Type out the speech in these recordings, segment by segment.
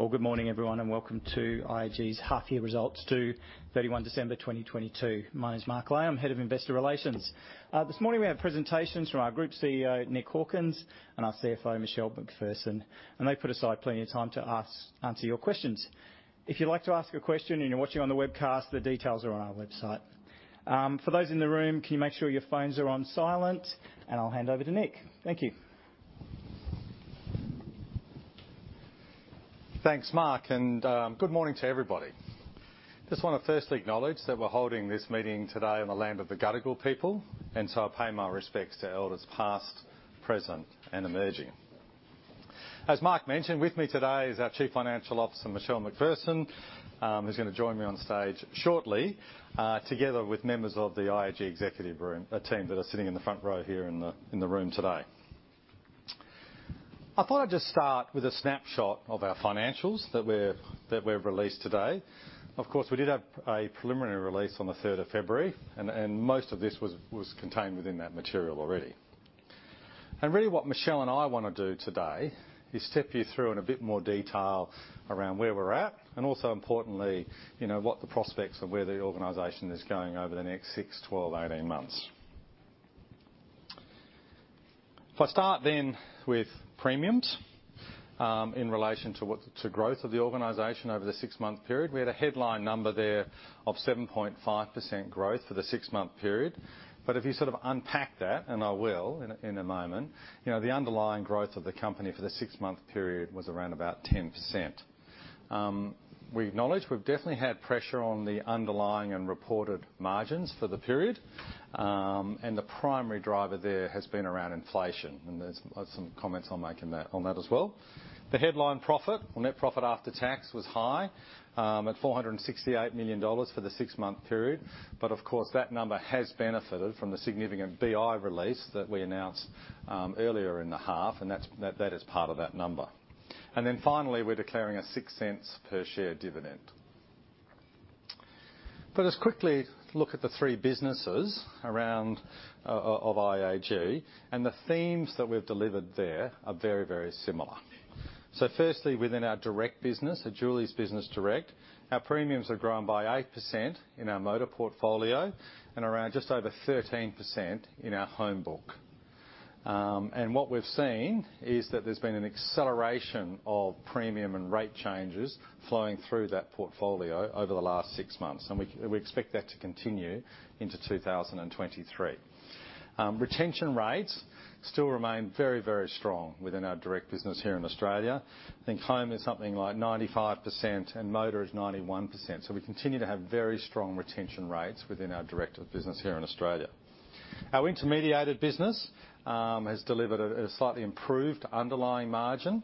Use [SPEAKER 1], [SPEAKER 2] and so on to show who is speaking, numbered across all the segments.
[SPEAKER 1] Well, good morning everyone, and welcome to IAG's half year results to 31 December, 2022. My name is Mark Ley. I'm Head of Investor Relations. This morning we have presentations from our Group CEO, Nick Hawkins, and our CFO, Michelle McPherson. They've put aside plenty of time to answer your questions. If you'd like to ask a question and you're watching on the webcast, the details are on our website. For those in the room, can you make sure your phones are on silent? I'll hand over to Nick. Thank you.
[SPEAKER 2] Thanks, Mark, good morning to everybody. Just wanna firstly acknowledge that we're holding this meeting today on the land of the Gadigal people, and so I pay my respects to elders past, present, and emerging. As Mark mentioned, with me today is our Chief Financial Officer, Michelle McPherson, who's gonna join me on stage shortly, together with members of the IAG executive room, team that are sitting in the front row here in the room today. I thought I'd just start with a snapshot of our financials that we've released today. Of course, we did have a preliminary release on the third of February, and most of this was contained within that material already. Really what Michelle and I wanna do today is step you through in a bit more detail around where we're at, and also importantly, you know, what the prospects of where the organization is going over the next six, 12, 18 months. If I start then with premiums, in relation to growth of the organization over the six-month period, we had a headline number there of 7.5% growth for the six-month period. If you sort of unpack that, and I will in a moment, you know, the underlying growth of the company for the six-month period was around about 10%. We acknowledge we've definitely had pressure on the underlying and reported margins for the period, and the primary driver there has been around inflation, and there's some comments I'll make on that as well. The headline profit or net profit after tax was high, at 468 million dollars for the 6-month period. Of course, that number has benefited from the significant BI release that we announced earlier in the half, and that's that is part of that number. Finally, we're declaring a 0.06 per share dividend. Let's quickly look at the three businesses around of IAG, and the themes that we've delivered there are very similar. Firstly, within our direct business, at Julie's Business Direct, our premiums have grown by 8% in our motor portfolio and around just over 13% in our home book. What we've seen is that there's been an acceleration of premium and rate changes flowing through that portfolio over the last six months, and we expect that to continue into 2023. Retention rates still remain very, very strong within our direct business here in Australia. I think home is something like 95% and motor is 91%. We continue to have very strong retention rates within our direct business here in Australia. Our intermediated business has delivered a slightly improved underlying margin,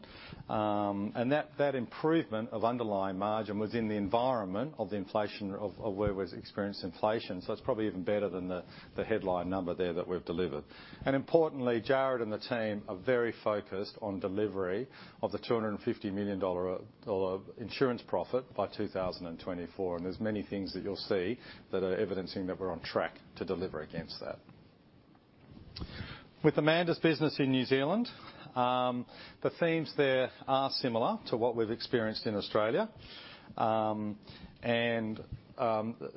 [SPEAKER 2] and that improvement of underlying margin was in the environment of the inflation of where we've experienced inflation. It's probably even better than the headline number there that we've delivered. Importantly, Jarrod and the team are very focused on delivery of the 250 million dollar insurance profit by 2024. There's many things that you'll see that are evidencing that we're on track to deliver against that. With Amanda's business in New Zealand, the themes there are similar to what we've experienced in Australia.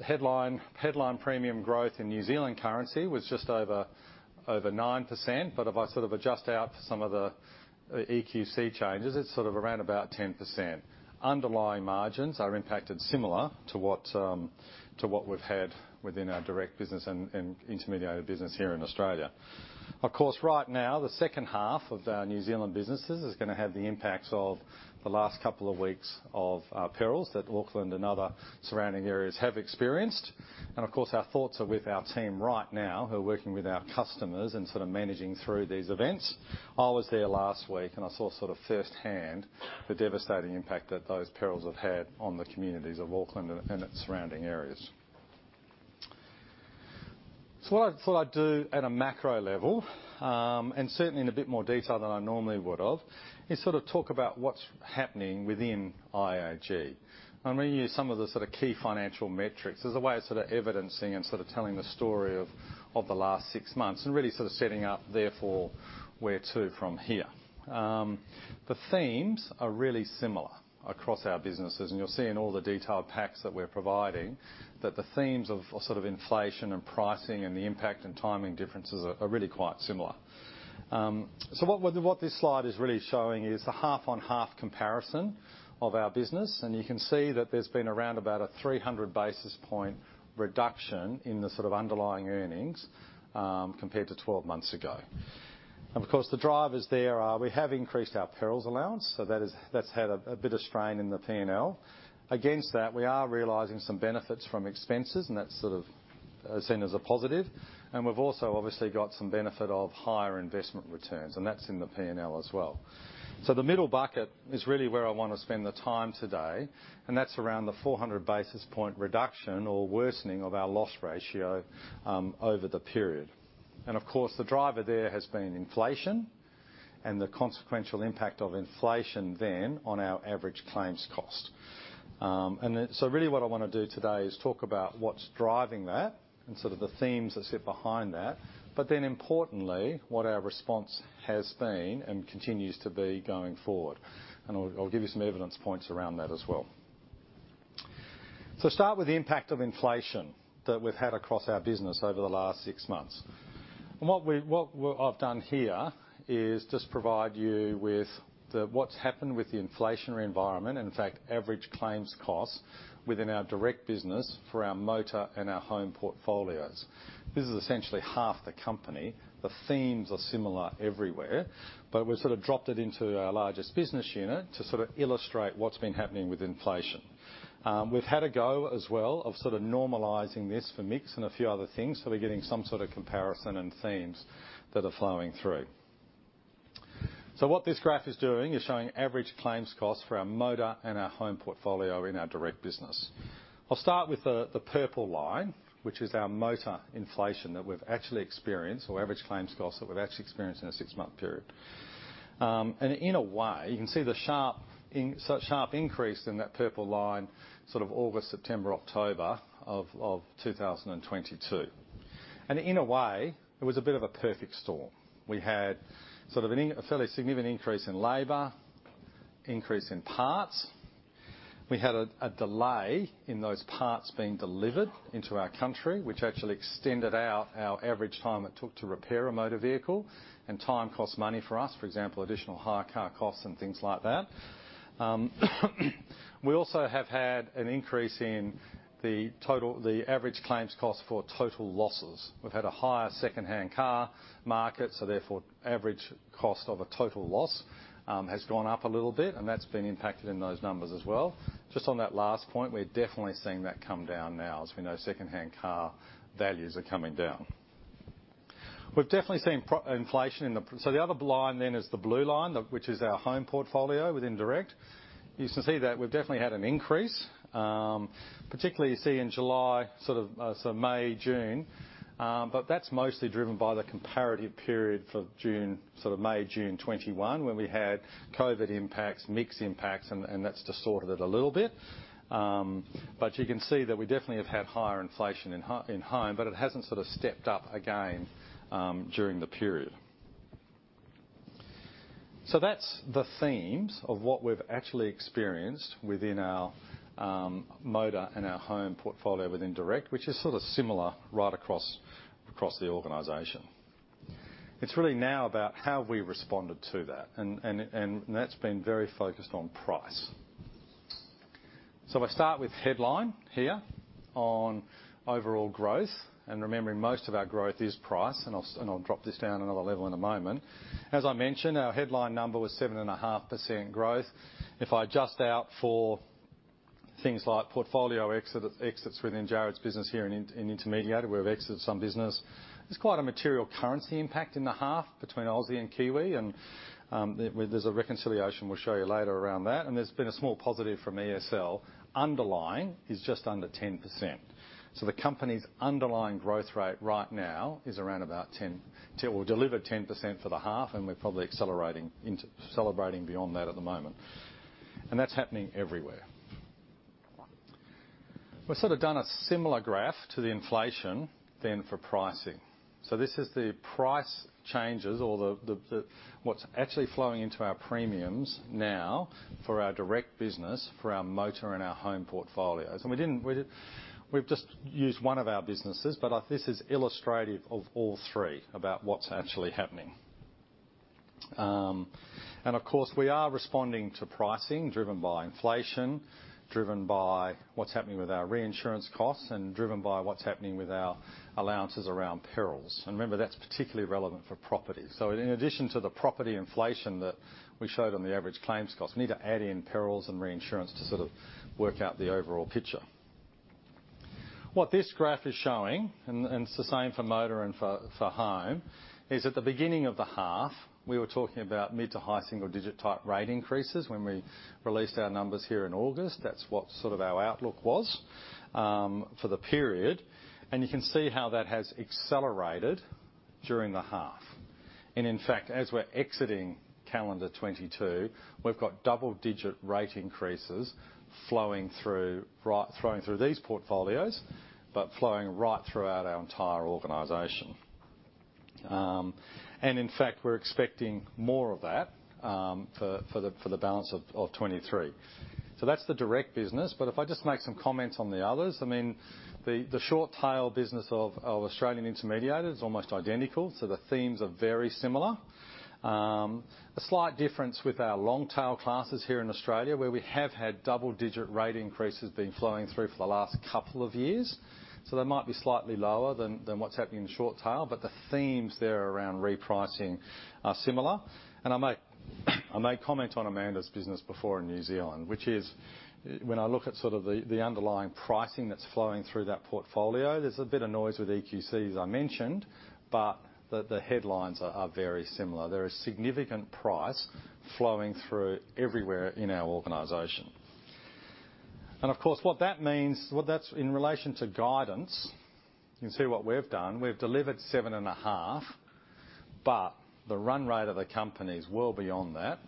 [SPEAKER 2] Headline premium growth in New Zealand currency was just over 9%. If I sort of adjust out some of the EQC changes, it's sort of around about 10%. Underlying margins are impacted similar to what we've had within our direct business and intermediated business here in Australia. Right now, the second half of our New Zealand businesses is gonna have the impacts of the last couple of weeks of perils that Auckland and other surrounding areas have experienced. Our thoughts are with our team right now who are working with our customers and sort of managing through these events. I was there last week and I saw sort of firsthand the devastating impact that those perils have had on the communities of Auckland and its surrounding areas. What I'd do at a macro level, and certainly in a bit more detail than I normally would of, is sort of talk about what's happening within IAG. I'm gonna use some of the sort of key financial metrics as a way of sort of evidencing and sort of telling the story of the last six months and really sort of setting up therefore where to from here. The themes are really similar across our businesses, You'll see in all the detailed packs that we're providing, that the themes of sort of inflation and pricing and the impact and timing differences are really quite similar. What this slide is really showing is the half-on-half comparison of our business, and you can see that there's been around about a 300 basis point reduction in the sort of underlying earnings, compared to 12 months ago. Of course, the drivers there are we have increased our perils allowance, so that's had a bit of strain in the P&L. Against that, we are realizing some benefits from expenses, and that's sort of seen as a positive. We've also obviously got some benefit of higher investment returns, and that's in the P&L as well. The middle bucket is really where I wanna spend the time today, and that's around the 400 basis point reduction or worsening of our loss ratio over the period. Of course, the driver there has been inflation and the consequential impact of inflation then on our average claims cost. Really what I wanna do today is talk about what's driving that and sort of the themes that sit behind that, but then importantly, what our response has been and continues to be going forward. I'll give you some evidence points around that as well. Start with the impact of inflation that we've had across our business over the last six months. What I've done here is just provide you with what's happened with the inflationary environment, and in fact, average claims costs within our direct business for our motor and our home portfolios. This is essentially half the company. The themes are similar everywhere, but we sort of dropped it into our largest business unit to sort of illustrate what's been happening with inflation. We've had a go as well of sort of normalizing this for mix and a few other things, so we're getting some sort of comparison and themes that are flowing through. What this graph is doing is showing average claims costs for our motor and our home portfolio in our direct business. I'll start with the purple line, which is our motor inflation that we've actually experienced, or average claims costs that we've actually experienced in a six-month period. In a way, you can see the such sharp increase in that purple line, sort of August, September, October of 2022. In a way, it was a bit of a perfect storm. We had sort of a fairly significant increase in labor, increase in parts. We had a delay in those parts being delivered into our country, which actually extended out our average time it took to repair a motor vehicle. Time costs money for us, for example, additional hire car costs and things like that. We also have had an increase in the average claims cost for total losses. We've had a higher secondhand car market, Therefore average cost of a total loss has gone up a little bit, and that's been impacted in those numbers as well. Just on that last point, we're definitely seeing that come down now, as we know secondhand car values are coming down. We've definitely seen inflation in the. The other line then is the blue line, the, which is our home portfolio within Direct. You can see that we've definitely had an increase, particularly you see in July, sort of, May, June, but that's mostly driven by the comparative period for June, sort of May, June 2021, when we had COVID impacts, mix impacts, and that's distorted it a little bit. You can see that we definitely have had higher inflation in home, but it hasn't sort of stepped up again during the period. That's the themes of what we've actually experienced within our motor and our home portfolio within direct, which is sort of similar right across the organization. It's really now about how we responded to that, and that's been very focused on price. If I start with headline here on overall growth, and remembering most of our growth is price, and I'll drop this down another level in a moment. As I mentioned, our headline number was 7.5% growth. If I adjust out for things like portfolio exit within Jarrod's business here in Intermediated, where we've exited some business, there's quite a material currency impact in the half between Aussie and Kiwi, and well, there's a reconciliation we'll show you later around that, and there's been a small positive from ESL. Underlying is just under 10%. The company's underlying growth rate right now is around about 10%. We've delivered 10% for the half, and we're probably accelerating beyond that at the moment. That's happening everywhere. We've sort of done a similar graph to the inflation than for pricing. This is the price changes or what's actually flowing into our premiums now for our direct business, for our motor and our home portfolios. We didn't, we've just used one of our businesses, but this is illustrative of all three about what's actually happening. Of course, we are responding to pricing driven by inflation, driven by what's happening with our reinsurance costs, and driven by what's happening with our allowances around perils. Remember, that's particularly relevant for property. In addition to the property inflation that we showed on the average claims cost, we need to add in perils and reinsurance to sort of work out the overall picture. What this graph is showing, and it's the same for motor and for home, is at the beginning of the half, we were talking about mid to high single-digit type rate increases when we released our numbers here in August. That's what sort of our outlook was for the period, and you can see how that has accelerated during the half. In fact, as we're exiting calendar 2022, we've got double-digit rate increases flowing through these portfolios, but flowing right throughout our entire organization. And in fact, we're expecting more of that for the balance of 2023. That's the direct business. If I just make some comments on the others, I mean, the short tail business of Australian Intermediated is almost identical, so the themes are very similar. A slight difference with our long tail classes here in Australia, where we have had double-digit rate increases been flowing through for the last couple of years. They might be slightly lower than what's happening in short tail, but the themes there around repricing are similar. I made comment on Amanda's business before in New Zealand, which is when I look at sort of the underlying pricing that's flowing through that portfolio, there's a bit of noise with EQC, as I mentioned, but the headlines are very similar. There is significant price flowing through everywhere in our organization. Of course, what that means. In relation to guidance, you can see what we've done. We've delivered 7.5. The run rate of the company is well beyond that,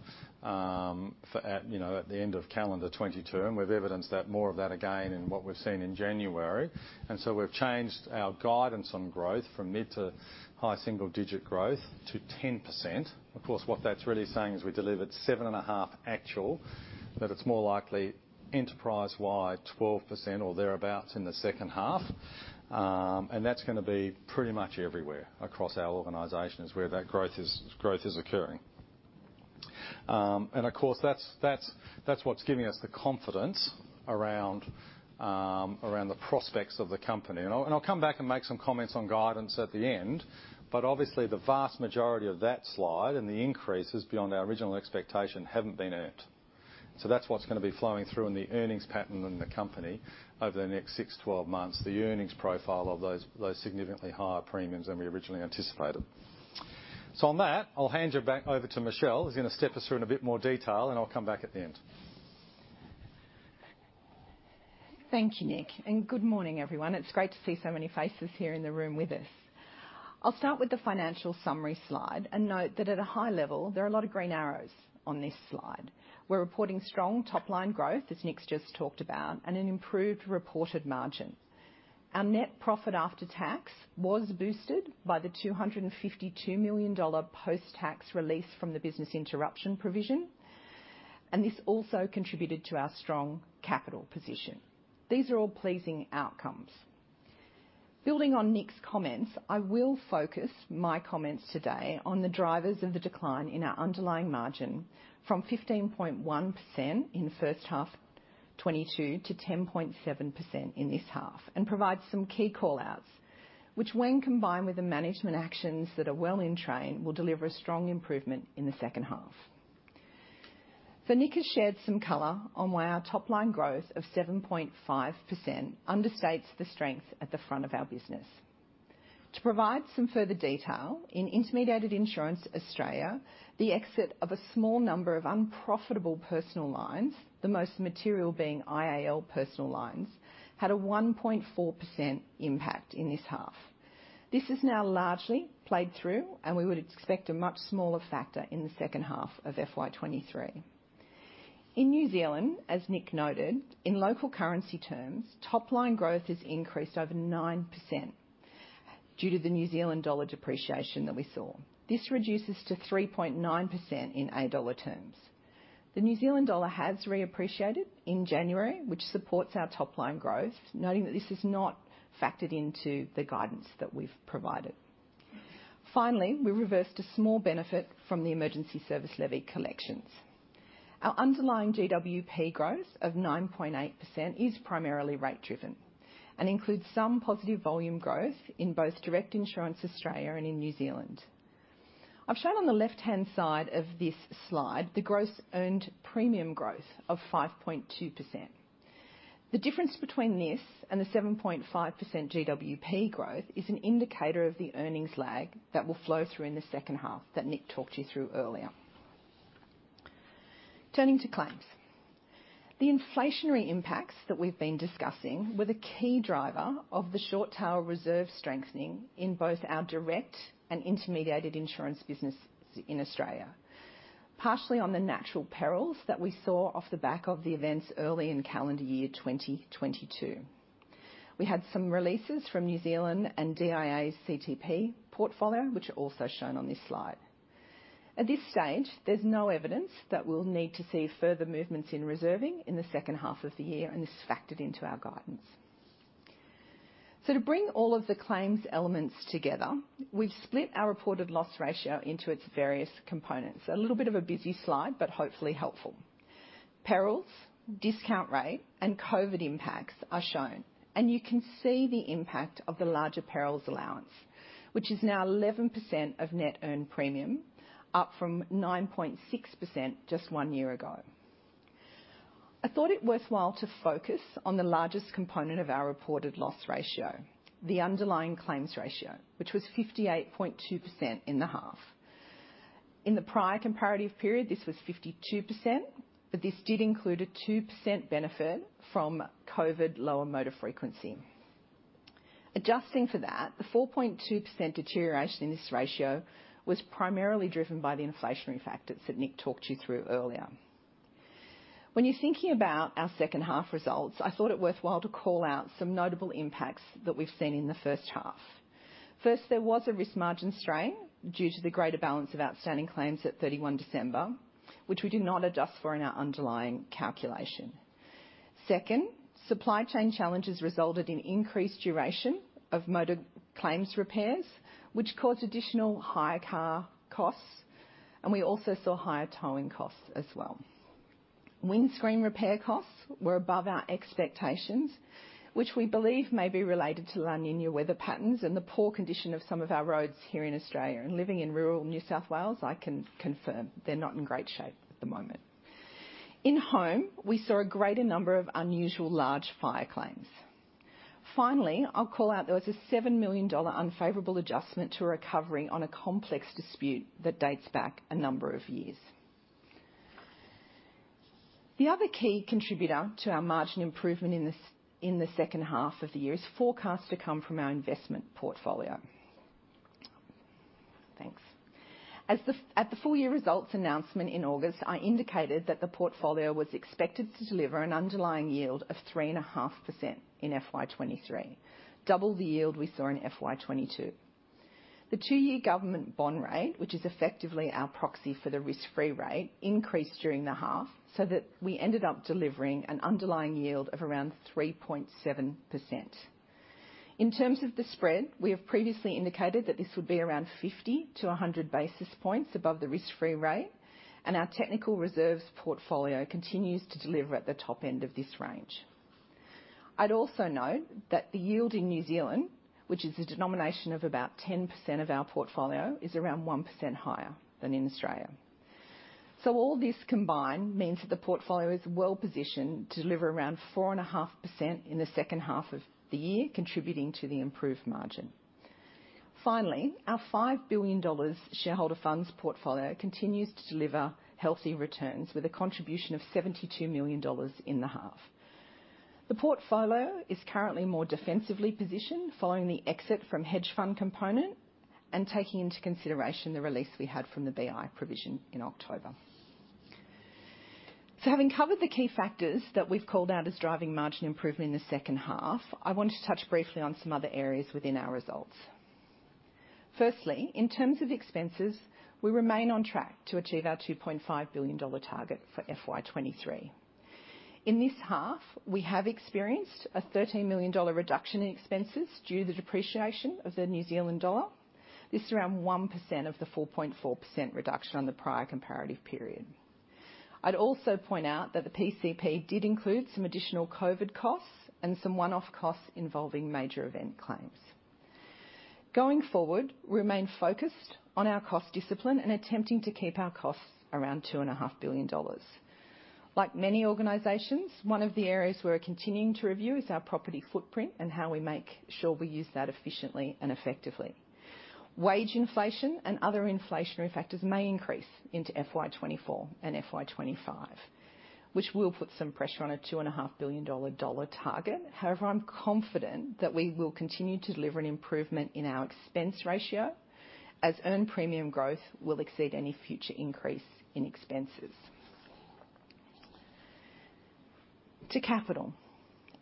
[SPEAKER 2] for at, you know, at the end of calendar 2022, and we've evidenced that, more of that again in what we've seen in January. We've changed our guidance on growth from mid to high single-digit growth to 10%. Of course, what that's really saying is we delivered 7.5 actual, but it's more likely enterprise-wide 12% or thereabout in the second half. That's gonna be pretty much everywhere across our organization is where that growth is occurring. Of course, that's what's giving us the confidence around the prospects of the company. I'll come back and make some comments on guidance at the end. Obviously, the vast majority of that slide and the increases beyond our original expectation haven't been earned. That's what's gonna be flowing through in the earnings pattern in the company over the next six, 12 months, the earnings profile of those significantly higher premiums than we originally anticipated. On that, I'll hand you back over to Michelle, who's gonna step us through in a bit more detail, and I'll come back at the end.
[SPEAKER 3] Thank you, Nick. Good morning, everyone. It's great to see so many faces here in the room with us. I'll start with the financial summary slide and note that at a high level, there are a lot of green arrows on this slide. We're reporting strong top-line growth, as Nick's just talked about, and an improved reported margin. Our net profit after tax was boosted by the 252 million dollar post-tax release from the business interruption provision, and this also contributed to our strong capital position. These are all pleasing outcomes. Building on Nick's comments, I will focus my comments today on the drivers of the decline in our underlying margin from 15.1% in the first half 2022 to 10.7% in this half, and provide some key call-outs, which when combined with the management actions that are well in train, will deliver a strong improvement in the second half. Nick has shared some color on why our top-line growth of 7.5% understates the strength at the front of our business. To provide some further detail, in Intermediated Insurance Australia, the exit of a small number of unprofitable personal lines, the most material being IAL personal lines, had a 1.4% impact in this half. This is now largely played through, and we would expect a much smaller factor in the second half of FY 2023. In New Zealand, as Nick noted, in local currency terms, top-line growth has increased over 9% due to the New Zealand dollar depreciation that we saw. This reduces to 3.9% in AUD terms. The New Zealand dollar has reappreciated in January, which supports our top-line growth, noting that this is not factored into the guidance that we've provided. Finally, we reversed a small benefit from the Emergency Services Levy collections. Our underlying GWP growth of 9.8% is primarily rate driven and includes some positive volume growth in both Direct Insurance Australia and in New Zealand. I've shown on the left-hand side of this slide the gross earned premium growth of 5.2%. The difference between this and the 7.5% GWP growth is an indicator of the earnings lag that will flow through in the second half that Nick talked you through earlier. Turning to claims. The inflationary impacts that we've been discussing were the key driver of the short tail reserve strengthening in both our direct and intermediated insurance business in Australia, partially on the natural perils that we saw off the back of the events early in calendar year 2022. We had some releases from New Zealand and DIA's CTP portfolio, which are also shown on this slide. At this stage, there's no evidence that we'll need to see further movements in reserving in the second half of the year, and this is factored into our guidance. To bring all of the claims elements together, we've split our reported loss ratio into its various components. A little bit of a busy slide, hopefully helpful. Perils, discount rate, and COVID impacts are shown. You can see the impact of the larger perils allowance, which is now 11% of net earned premium, up from 9.6% just one year ago. I thought it worthwhile to focus on the largest component of our reported loss ratio, the underlying claims ratio, which was 58.2% in the half. In the prior comparative period, this was 52%. This did include a 2% benefit from COVID lower motor frequency. Adjusting for that, the 4.2% deterioration in this ratio was primarily driven by the inflationary factors that Nick talked you through earlier. When you're thinking about our second half results, I thought it worthwhile to call out some notable impacts that we've seen in the first half. First, there was a risk margin strain due to the greater balance of outstanding claims at 31 December, which we did not adjust for in our underlying calculation. Second, supply chain challenges resulted in increased duration of motor claims repairs, which caused additional hire car costs, and we also saw higher towing costs as well. Windscreen repair costs were above our expectations, which we believe may be related to La Niña weather patterns and the poor condition of some of our roads here in Australia. Living in rural New South Wales, I can confirm they're not in great shape at the moment. In home, we saw a greater number of unusual large fire claims. Finally, I'll call out there was a 7 million dollar unfavorable adjustment to a recovery on a complex dispute that dates back a number of years. The other key contributor to our margin improvement in the second half of the year is forecast to come from our investment portfolio. Thanks. As at the full year results announcement in August, I indicated that the portfolio was expected to deliver an underlying yield of 3.5% in FY 2023, double the yield we saw in FY 2022. The two-year government bond rate, which is effectively our proxy for the risk-free rate, increased during the half, so that we ended up delivering an underlying yield of around 3.7%. In terms of the spread, we have previously indicated that this would be around 50-100 basis points above the risk-free rate, and our technical reserves portfolio continues to deliver at the top end of this range. I'd also note that the yield in New Zealand, which is a denomination of about 10% of our portfolio, is around 1% higher than in Australia. All this combined means that the portfolio is well-positioned to deliver around 4.5% in the second half of the year, contributing to the improved margin. Finally, our 5 billion dollars shareholder funds portfolio continues to deliver healthy returns with a contribution of 72 million dollars in the half. The portfolio is currently more defensively positioned following the exit from hedge fund component and taking into consideration the release we had from the BI provision in October. Having covered the key factors that we've called out as driving margin improvement in the second half, I want to touch briefly on some other areas within our results. Firstly, in terms of expenses, we remain on track to achieve our 2.5 billion dollar target for FY 2023. In this half, we have experienced a 13 million dollar reduction in expenses due to the depreciation of the New Zealand dollar. This is around 1% of the 4.4% reduction on the prior comparative period. I'd also point out that the PCP did include some additional COVID costs and some one-off costs involving major event claims. Going forward, we remain focused on our cost discipline and attempting to keep our costs around 2.5 billion dollars. Like many organizations, one of the areas we're continuing to review is our property footprint and how we make sure we use that efficiently and effectively. Wage inflation and other inflationary factors may increase into FY 2024 and FY 2025, which will put some pressure on a two and a half billion dollar target. However, I'm confident that we will continue to deliver an improvement in our expense ratio as earned premium growth will exceed any future increase in expenses. To capital.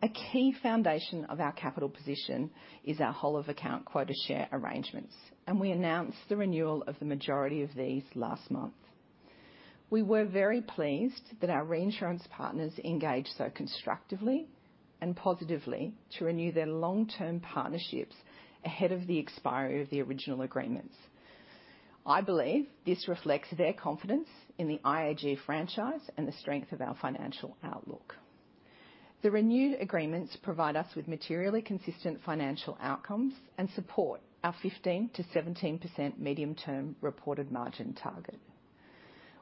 [SPEAKER 3] A key foundation of our capital position is our whole of account quota share arrangements, and we announced the renewal of the majority of these last month. We were very pleased that our reinsurance partners engaged so constructively and positively to renew their long-term partnerships ahead of the expiry of the original agreements. I believe this reflects their confidence in the IAG franchise and the strength of our financial outlook. The renewed agreements provide us with materially consistent financial outcomes and support our 15%-17% medium-term reported margin target.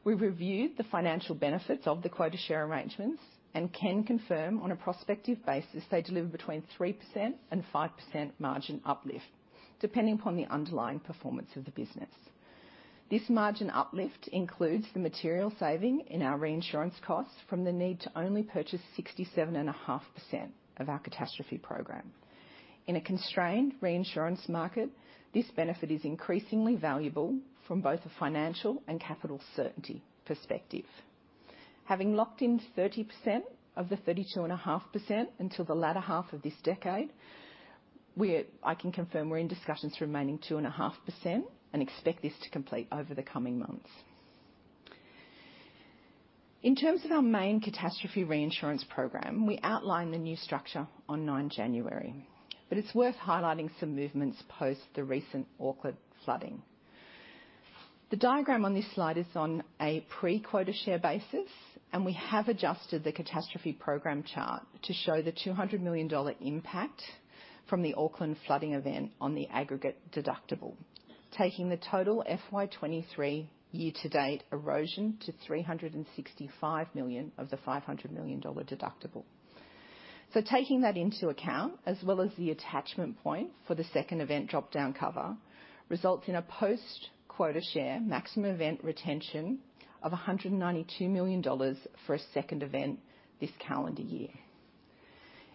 [SPEAKER 3] We've reviewed the financial benefits of the quota share arrangements and can confirm on a prospective basis they deliver between 3% and 5% margin uplift, depending upon the underlying performance of the business. This margin uplift includes the material saving in our reinsurance costs from the need to only purchase 67.5% of our catastrophe program. In a constrained reinsurance market, this benefit is increasingly valuable from both a financial and capital certainty perspective. Having locked in 30% of the 32.5% until the latter half of this decade, I can confirm we're in discussions for remaining 2.5% and expect this to complete over the coming months. In terms of our main catastrophe reinsurance program, we outlined the new structure on 9th January, it's worth highlighting some movements post the recent Auckland flooding. The diagram on this slide is on a pre-quota share basis, We have adjusted the catastrophe program chart to show the 200 million dollar impact from the Auckland flooding event on the aggregate deductible, taking the total FY 2023 year-to-date erosion to 365 million of the 500 million dollar deductible. Taking that into account as well as the attachment point for the second event drop-down cover, results in a post-quota share maximum event retention of 192 million dollars for a second event this calendar year.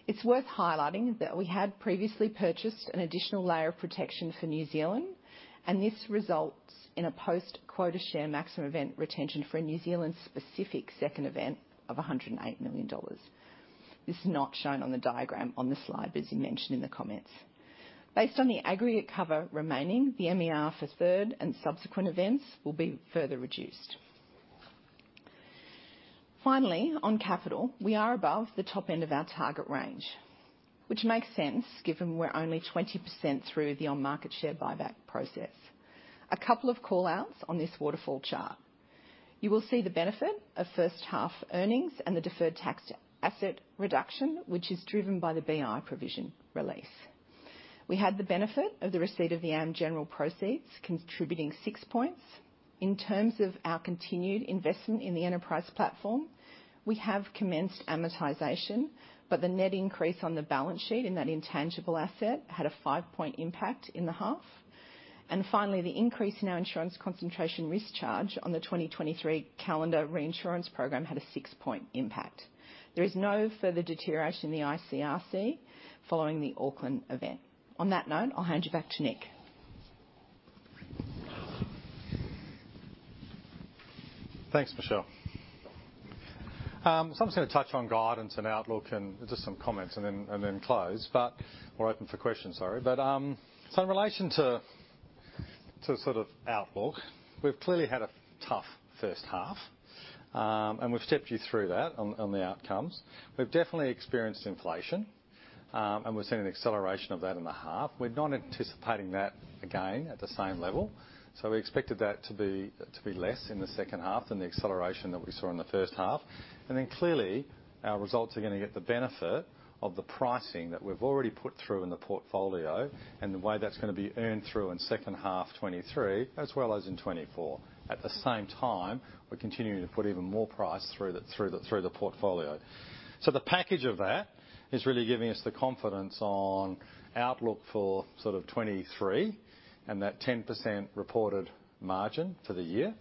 [SPEAKER 3] It's worth highlighting that we had previously purchased an additional layer of protection for New Zealand, and this results in a post-quota share maximum event retention for a New Zealand specific second event of AUD 108 million. This is not shown on the diagram on this slide, as he mentioned in the comments. Based on the aggregate cover remaining, the MER for third and subsequent events will be further reduced. Finally, on capital, we are above the top end of our target range, which makes sense given we're only 20% through the on-market share buyback process. A couple of call-outs on this waterfall chart. You will see the benefit of first half earnings and the deferred tax asset reduction, which is driven by the BI provision release. We had the benefit of the receipt of the AmGeneral proceeds contributing six points. In terms of our continued investment in the Enterprise Platform, we have commenced amortization, but the net increase on the balance sheet in that intangible asset had a five-point impact in the half. Finally, the increase in our Insurance Concentration Risk Charge on the 2023 calendar reinsurance program had a six-point impact. There is no further deterioration in the ICRC following the Auckland event. On that note, I'll hand you back to Nick.
[SPEAKER 2] Thanks, Michelle. I'm just gonna touch on guidance and outlook and just some comments and then close. We're open for questions, sorry. In relation to sort of outlook, we've clearly had a tough first half, and we've stepped you through that on the outcomes. We've definitely experienced inflation, and we're seeing an acceleration of that in the half. We're not anticipating that again at the same level, so we expected that to be less in the second half than the acceleration that we saw in the first half. Clearly, our results are gonna get the benefit of the pricing that we've already put through in the portfolio and the way that's gonna be earned through in second half 2023 as well as in 2024. At the same time, we're continuing to put even more price through the portfolio. The package of that is really giving us the confidence on outlook for sort of 2023 and that 10% reported margin for the year.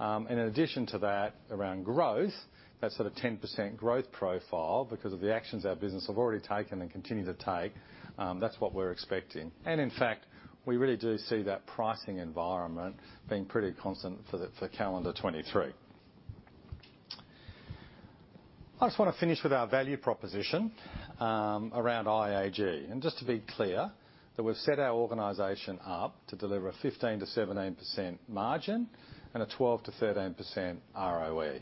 [SPEAKER 2] In addition to that, around growth, that sort of 10% growth profile because of the actions our business have already taken and continue to take, that's what we're expecting. In fact, we really do see that pricing environment being pretty constant for calendar 2023. I just wanna finish with our value proposition around IAG. Just to be clear that we've set our organization up to deliver a 15%-17% margin and a 12%-13% ROE.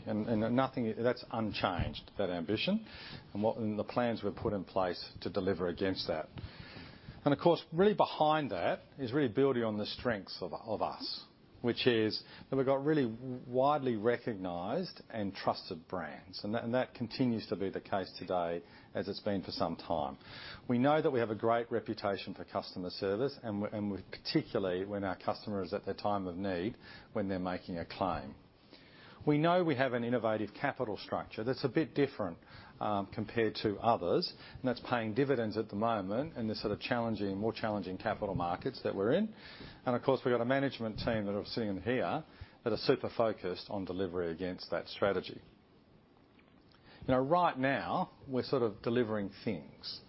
[SPEAKER 2] Nothing-- that's unchanged, that ambition, and the plans we've put in place to deliver against that. Of course, really behind that is really building on the strengths of us, which is that we've got really widely recognized and trusted brands, and that continues to be the case today as it's been for some time. We know that we have a great reputation for customer service, and with particularly when our customer is at their time of need, when they're making a claim. We know we have an innovative capital structure that's a bit different, compared to others, and that's paying dividends at the moment in this sort of challenging, more challenging capital markets that we're in. Of course, we've got a management team that are sitting here that are super focused on delivery against that strategy. You know, right now we're sort of delivering things.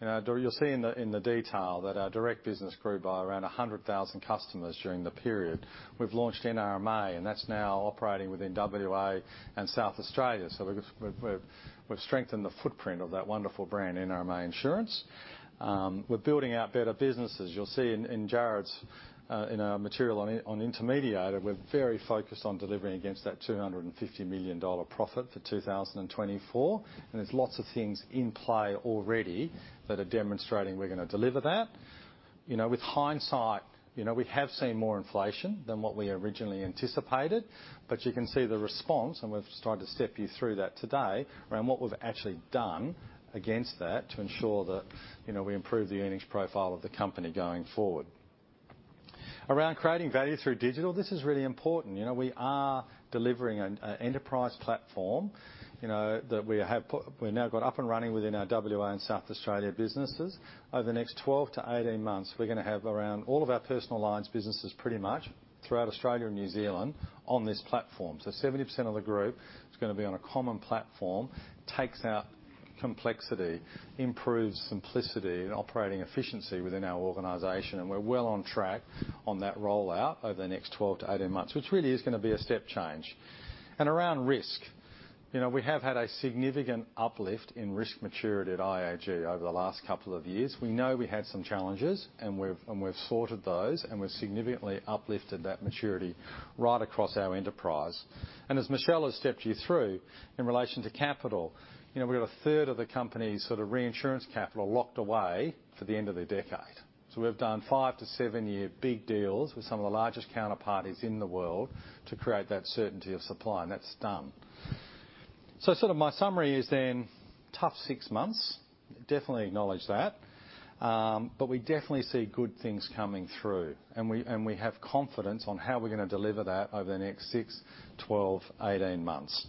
[SPEAKER 2] You know, you'll see in the detail that our direct business grew by around 100,000 customers during the period. We've launched NRMA, and that's now operating within WA and South Australia. We've strengthened the footprint of that wonderful brand, NRMA Insurance. We're building out better businesses. You'll see in Jarrod's in our material on intermediated, we're very focused on delivering against that 250 million dollar profit for 2024, and there's lots of things in play already that are demonstrating we're gonna deliver that. With hindsight, you know, we have seen more inflation than what we originally anticipated. You can see the response, we've started to step you through that today, around what we've actually done against that to ensure that, you know, we improve the earnings profile of the company going forward. Around creating value through digital, this is really important. You know, we are delivering an Enterprise Platform, you know, we've now got up and running within our WA and South Australia businesses. Over the next 12-18 months, we're gonna have around all of our personal lines businesses pretty much throughout Australia and New Zealand on this platform. 70% of the group is gonna be on a common platform, takes out complexity, improves simplicity and operating efficiency within our organization, and we're well on track on that rollout over the next 12-18 months, which really is gonna be a step change. Around risk, you know, we have had a significant uplift in risk maturity at IAG over the last couple of years. We know we had some challenges, and we've sorted those, and we've significantly uplifted that maturity right across our enterprise. As Michelle has stepped you through, in relation to capital, you know, we've got a third of the company's sort of reinsurance capital locked away for the end of the decade. We've done 5-7-year big deals with some of the largest counterparties in the world to create that certainty of supply, and that's done. Sort of my summary is then, tough six months, definitely acknowledge that, but we definitely see good things coming through, and we have confidence on how we're gonna deliver that over the next six, 12, 18 months.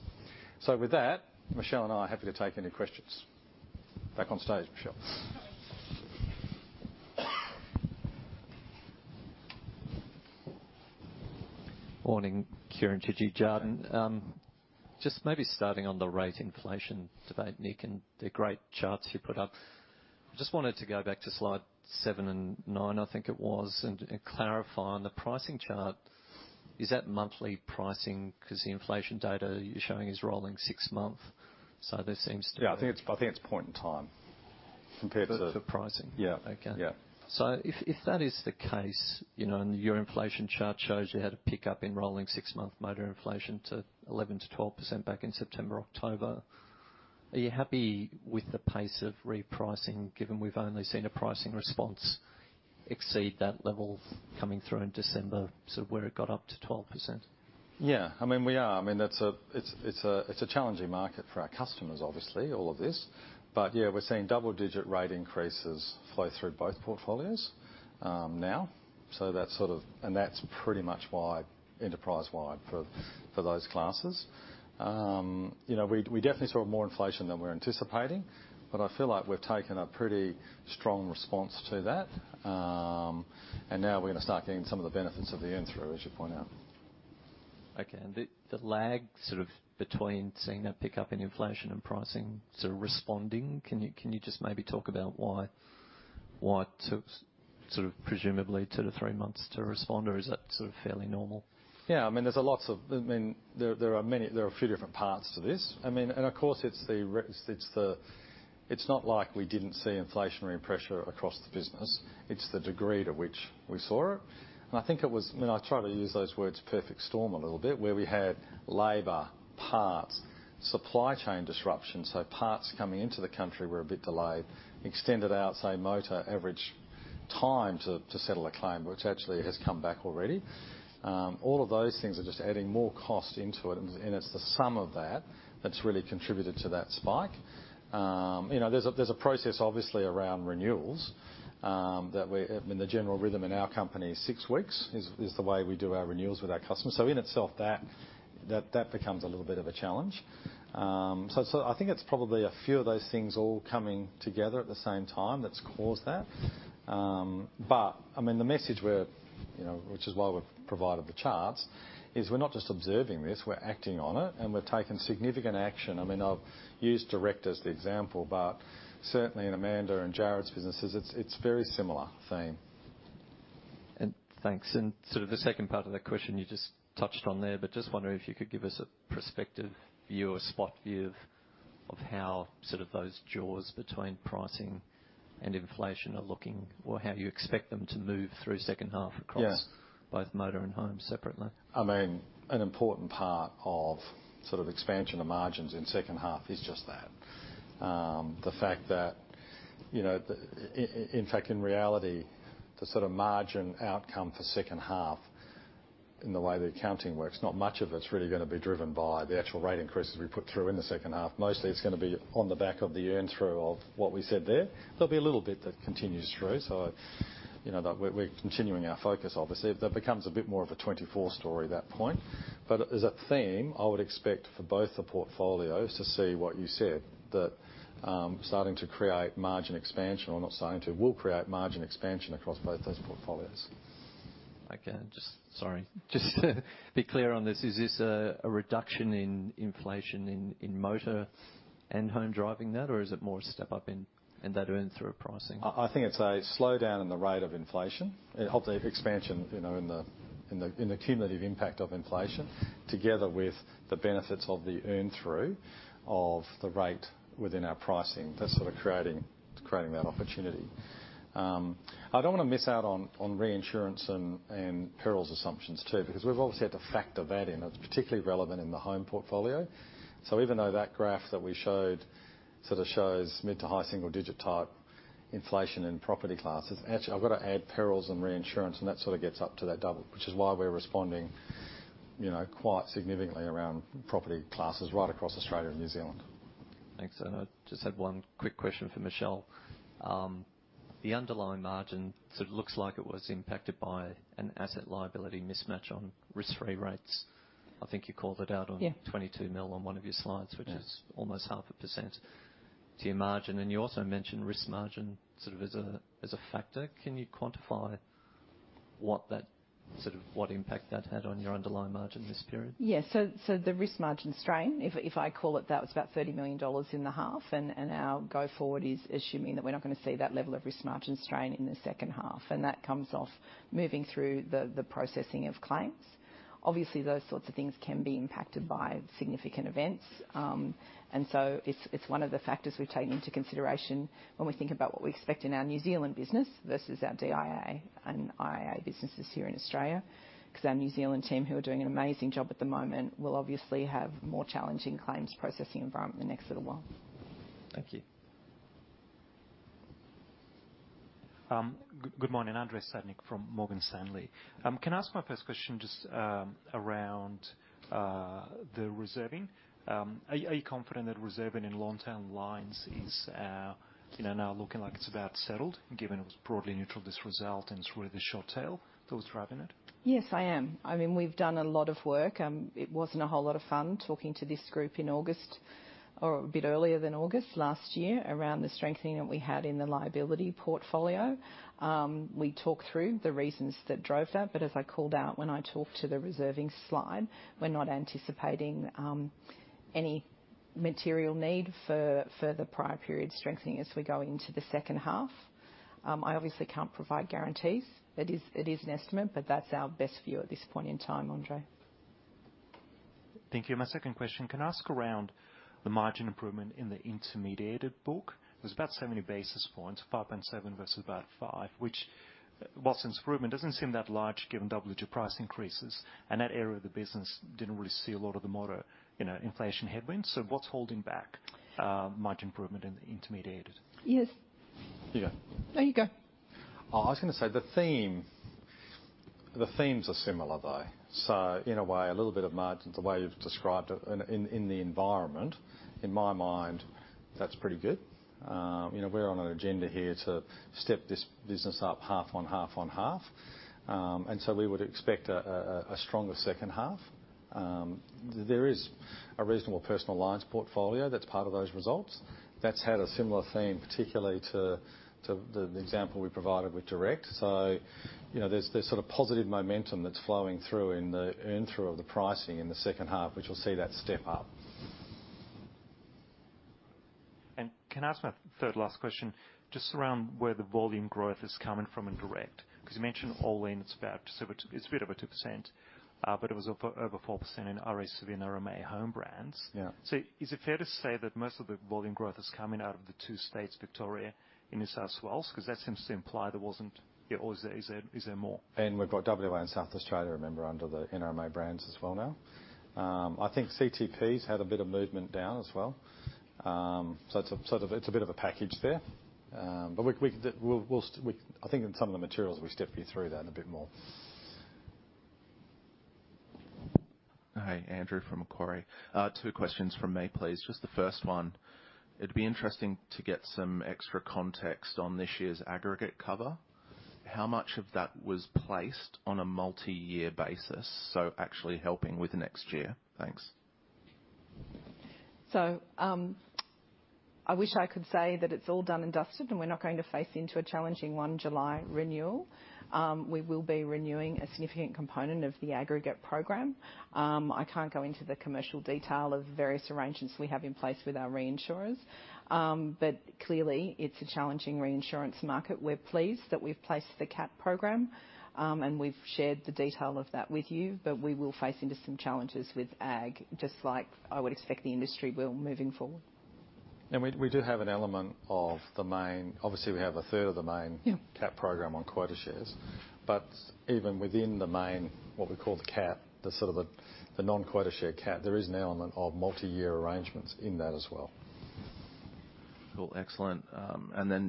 [SPEAKER 2] With that, Michelle and I are happy to take any questions. Back on stage, Michelle.
[SPEAKER 4] Morning. Kieren Chidgey, Jarden. Just maybe starting on the rate inflation debate, Nick, and the great charts you put up. Just wanted to go back to slide seven and nine, I think it was, and clarify on the pricing chart, is that monthly pricing? 'Cause the inflation data you're showing is rolling six months.
[SPEAKER 2] Yeah, I think it's point in time compared to.
[SPEAKER 4] For pricing?
[SPEAKER 2] Yeah.
[SPEAKER 4] Okay.
[SPEAKER 2] Yeah.
[SPEAKER 4] If that is the case, you know, and your inflation chart shows you had a pickup in rolling six-month motor inflation to 11%-12% back in September, October, are you happy with the pace of repricing, given we've only seen a pricing response exceed that level coming through in December, sort of where it got up to 12%?
[SPEAKER 2] Yeah. I mean, we are. I mean, that's a challenging market for our customers, obviously, all of this. Yeah, we're seeing double-digit rate increases flow through both portfolios, now. That's pretty much wide, enterprise-wide for those classes. You know, we definitely saw more inflation than we're anticipating, but I feel like we've taken a pretty strong response to that. Now we're gonna start getting some of the benefits of the earn through, as you point out.
[SPEAKER 4] Okay. The lag sort of between seeing a pickup in inflation and pricing sort of responding, can you, can you just maybe talk about why it took sort of presumably two to three months to respond? Or is that sort of fairly normal?
[SPEAKER 2] I mean, there's a lots of... I mean, there are a few different parts to this. I mean, and of course, it's the... It's not like we didn't see inflationary pressure across the business. It's the degree to which we saw it. I think it was... I mean, I try to use those words perfect storm a little bit, where we had labor, parts, supply chain disruptions. Parts coming into the country were a bit delayed, extended out, say, motor average time to settle a claim, which actually has come back already. All of those things are just adding more cost into it, and it's the sum of that that's really contributed to that spike. You know, there's a process obviously around renewals that we... I mean, the general rhythm in our company is six weeks, is the way we do our renewals with our customers. In itself, that becomes a little bit of a challenge. I think it's probably a few of those things all coming together at the same time that's caused that. I mean, the message we're, you know, which is why we've provided the charts, is we're not just observing this, we're acting on it, and we're taking significant action. I mean, I'll use direct as the example, but certainly in Amanda and Jarrod's businesses, it's very similar theme.
[SPEAKER 4] Thanks. Sort of the second part of that question you just touched on there, but just wondering if you could give us a prospective view or spot view of how sort of those jaws between pricing and inflation are looking, or how you expect them to move through second half.
[SPEAKER 2] Yeah.
[SPEAKER 4] Both motor and home separately.
[SPEAKER 2] I mean, an important part of sort of expansion of margins in second half is just that. The fact that, you know, in fact, in reality, the sort of margin outcome for second half in the way the accounting works, not much of it's really gonna be driven by the actual rate increases we put through in the second half. Mostly, it's gonna be on the back of the earn through of what we said there. There'll be a little bit that continues through, so, you know, that we're continuing our focus, obviously. That becomes a bit more of a 2024 story at that point. As a theme, I would expect for both the portfolios to see what you said, that, starting to create margin expansion, or not starting to, will create margin expansion across both those portfolios.
[SPEAKER 4] Okay. Sorry. Just be clear on this. Is this a reduction in inflation in motor and home driving that, or is it more step up in that earn through pricing?
[SPEAKER 2] I think it's a slowdown in the rate of inflation. Of the expansion, you know, in the cumulative impact of inflation together with the benefits of the earn through of the rate within our pricing. That's sort of creating that opportunity. I don't wanna miss out on reinsurance and perils assumptions too, because we've obviously had to factor that in. It's particularly relevant in the home portfolio. Even though that graph that we showed sort of shows mid-to-high single-digit type inflation in property classes, actually I've got to add perils and reinsurance, and that sort of gets up to that double, which is why we're responding, you know, quite significantly around property classes right across Australia and New Zealand.
[SPEAKER 4] Thanks. I just had one quick question for Michelle. The underlying margin sort of looks like it was impacted by an asset liability mismatch on risk-free rates. I think you called it out.
[SPEAKER 3] Yeah.
[SPEAKER 4] 22 million on one of your slides
[SPEAKER 3] Yeah.
[SPEAKER 4] which is almost half a % to your margin. You also mentioned risk margin sort of as a, as a factor. Can you quantify sort of what impact that had on your underlying margin this period?
[SPEAKER 3] The risk margin strain, if I call it that, was about $30 million in the half, our go forward is assuming that we're not going to see that level of risk margin strain in the second half, and that comes off moving through the processing of claims. Obviously, those sorts of things can be impacted by significant events. It's one of the factors we've taken into consideration when we think about what we expect in our New Zealand business versus our DIA and IIA businesses here in Australia. 'Cause our New Zealand team, who are doing an amazing job at the moment, will obviously have more challenging claims processing environment in the next little while.
[SPEAKER 4] Thank you.
[SPEAKER 5] Good morning. Andrei Stadnik from Morgan Stanley. Can I ask my first question just around the reserving? Are you confident that reserving in long-term lines is, you know, now looking like it's about settled, given it was broadly neutral this result and it's really the short tail that was driving it?
[SPEAKER 3] Yes, I am. I mean, we've done a lot of work. It wasn't a whole lot of fun talking to this group in August or a bit earlier than August last year around the strengthening that we had in the liability portfolio. We talked through the reasons that drove that, as I called out when I talked to the reserving slide, we're not anticipating any material need for further prior period strengthening as we go into the second half. I obviously can't provide guarantees. It is an estimate, that's our best view at this point in time, Andrei.
[SPEAKER 5] Thank you. My second question, can I ask around the margin improvement in the Intermediated book? It was about 70 basis points, 5.7 versus about five, which whilst improvement, doesn't seem that large given W2 price increases, and that area of the business didn't really see a lot of the motor, you know, inflation headwinds. What's holding back, margin improvement in the Intermediated?
[SPEAKER 3] Yes.
[SPEAKER 2] Yeah.
[SPEAKER 3] There you go.
[SPEAKER 2] I was gonna say the themes are similar though. In a way, a little bit of margin, the way you've described it in the environment, in my mind, that's pretty good. You know, we're on an agenda here to step this business up half on half on half. We would expect a stronger second half. There is a reasonable personal lines portfolio that's part of those results. That's had a similar theme, particularly to the example we provided with direct. You know, there's this sort of positive momentum that's flowing through in the earn through of the pricing in the second half, which will see that step up.
[SPEAKER 5] Can I ask my third last question, just around where the volume growth is coming from in direct? Because you mentioned all in, it's a bit over 2%. But it was over 4% in RAC, NRMA home brands.
[SPEAKER 2] Yeah.
[SPEAKER 5] Is it fair to say that most of the volume growth is coming out of the two states, Victoria, New South Wales? Or is there more?
[SPEAKER 2] We've got WA and South Australia, remember, under the NRMA brands as well now. I think CTP's had a bit of movement down as well. It's a, sort of, it's a bit of a package there. We can, we'll, I think in some of the materials we step you through that a bit more.
[SPEAKER 6] Hi, Andrew from Macquarie. two questions from me, please. Just the first one, it'd be interesting to get some extra context on this year's aggregate cover. How much of that was placed on a multi-year basis, so actually helping with next year? Thanks.
[SPEAKER 3] I wish I could say that it's all done and dusted and we're not going to face into a challenging 1 July renewal. We will be renewing a significant component of the aggregate program. I can't go into the commercial detail of various arrangements we have in place with our reinsurers. Clearly it's a challenging reinsurance market. We're pleased that we've placed the cat program, and we've shared the detail of that with you, but we will face into some challenges with ag, just like I would expect the industry will moving forward.
[SPEAKER 2] We do have an element of the main. Obviously, we have a third of the main.
[SPEAKER 3] Yeah.
[SPEAKER 2] cat program on quota shares. Even within the main, what we call the cat, the non-quota share cat, there is an element of multi-year arrangements in that as well.
[SPEAKER 6] Cool. Excellent.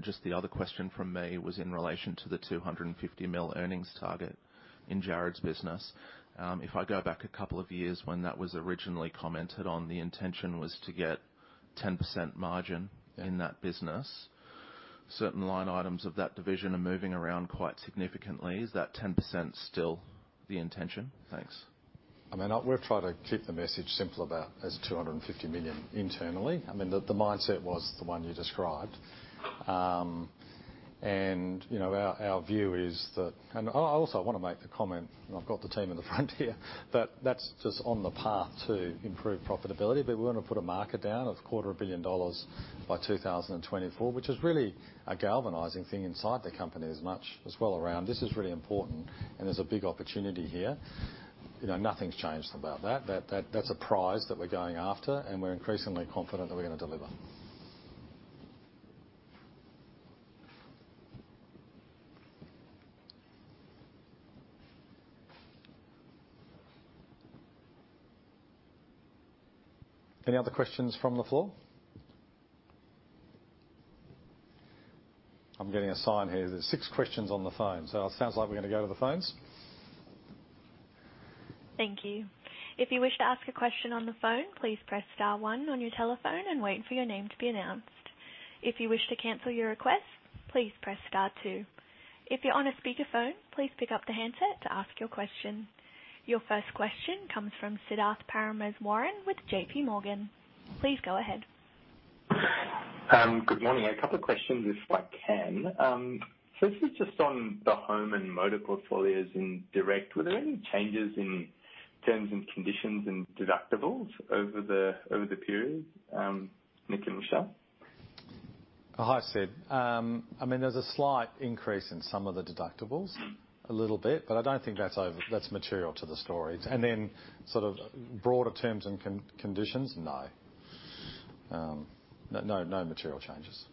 [SPEAKER 6] Just the other question from me was in relation to the 250 million earnings target in Jarrod's business. If I go back a couple of years when that was originally commented on, the intention was to get 10% margin in that business. Certain line items of that division are moving around quite significantly. Is that 10% still the intention? Thanks.
[SPEAKER 2] I mean, we'll try to keep the message simple about, as 250 million internally. I mean, the mindset was the one you described. You know, our view is that... Also I wanna make the comment, and I've got the team in the front here, that that's just on the path to improved profitability, but we wanna put a marker down of quarter a billion dollars by 2024, which is really a galvanizing thing inside the company as much as well around. This is really important, and there's a big opportunity here. You know, nothing's changed about that. That's a prize that we're going after, and we're increasingly confident that we're gonna deliver. Any other questions from the floor? I'm getting a sign here. There's six questions on the phone. It sounds like we're gonna go to the phones.
[SPEAKER 7] Thank you. If you wish to ask a question on the phone, please press star one on your telephone and wait for your name to be announced. If you wish to cancel your request, please press star two. If you're on a speakerphone, please pick up the handset to ask your question. Your first question comes from Siddharth Parameswaran with JPMorgan. Please go ahead.
[SPEAKER 8] Good morning. A couple of questions if I can. This is just on the home and motor portfolios in Direct. Were there any changes in terms and conditions and deductibles over the period, Nick and Michelle?
[SPEAKER 2] Hi, Sid. I mean, there's a slight increase in some of the deductibles, a little bit, but I don't think that's over, that's material to the story. Sort of broader terms and conditions, no. No material changes.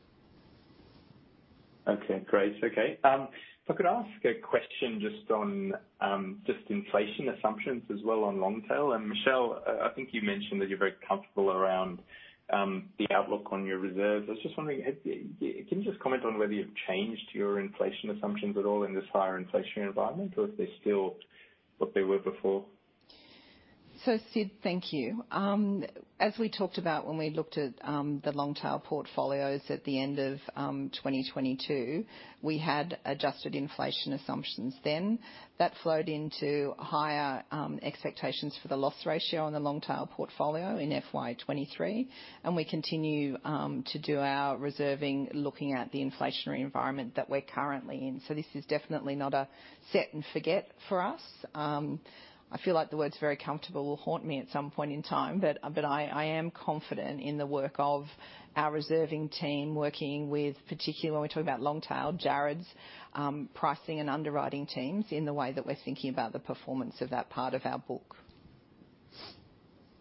[SPEAKER 8] Great. If I could ask a question just on just inflation assumptions as well on long tail. Michelle, I think you mentioned that you're very comfortable around the outlook on your reserves. I was just wondering, have, can you just comment on whether you've changed your inflation assumptions at all in this higher inflationary environment or if they're still what they were before?
[SPEAKER 3] Sid, thank you. As we talked about when we looked at the long tail portfolios at the end of 2022, we had adjusted inflation assumptions then. That flowed into higher expectations for the loss ratio on the long tail portfolio in FY 2023, and we continue to do our reserving looking at the inflationary environment that we're currently in. This is definitely not a set and forget for us. I feel like the words very comfortable will haunt me at some point in time, but I am confident in the work of our reserving team working with particular, we're talking about long tail, Jarrod's, pricing and underwriting teams in the way that we're thinking about the performance of that part of our book.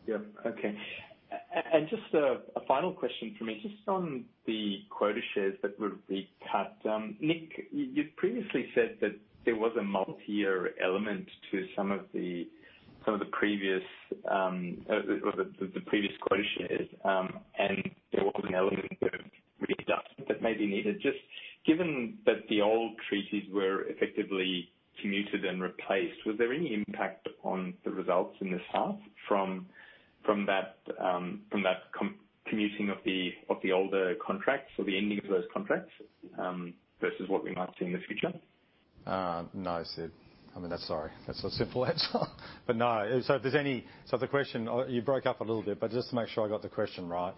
[SPEAKER 8] Yeah. Okay. Just a final question from me. Just on the quota shares that were being cut. Nick, you've previously said that there was a multi-year element to some of the previous, or the previous quota shares, and there was an element of- That may be needed. Just given that the old treaties were effectively commuted and replaced, was there any impact on the results in this half from that commuting of the older contracts or the ending of those contracts versus what we might see in the future?
[SPEAKER 2] No, Sid. I mean, that's. Sorry. That's a simple answer. No. You broke up a little bit, but just to make sure I got the question right,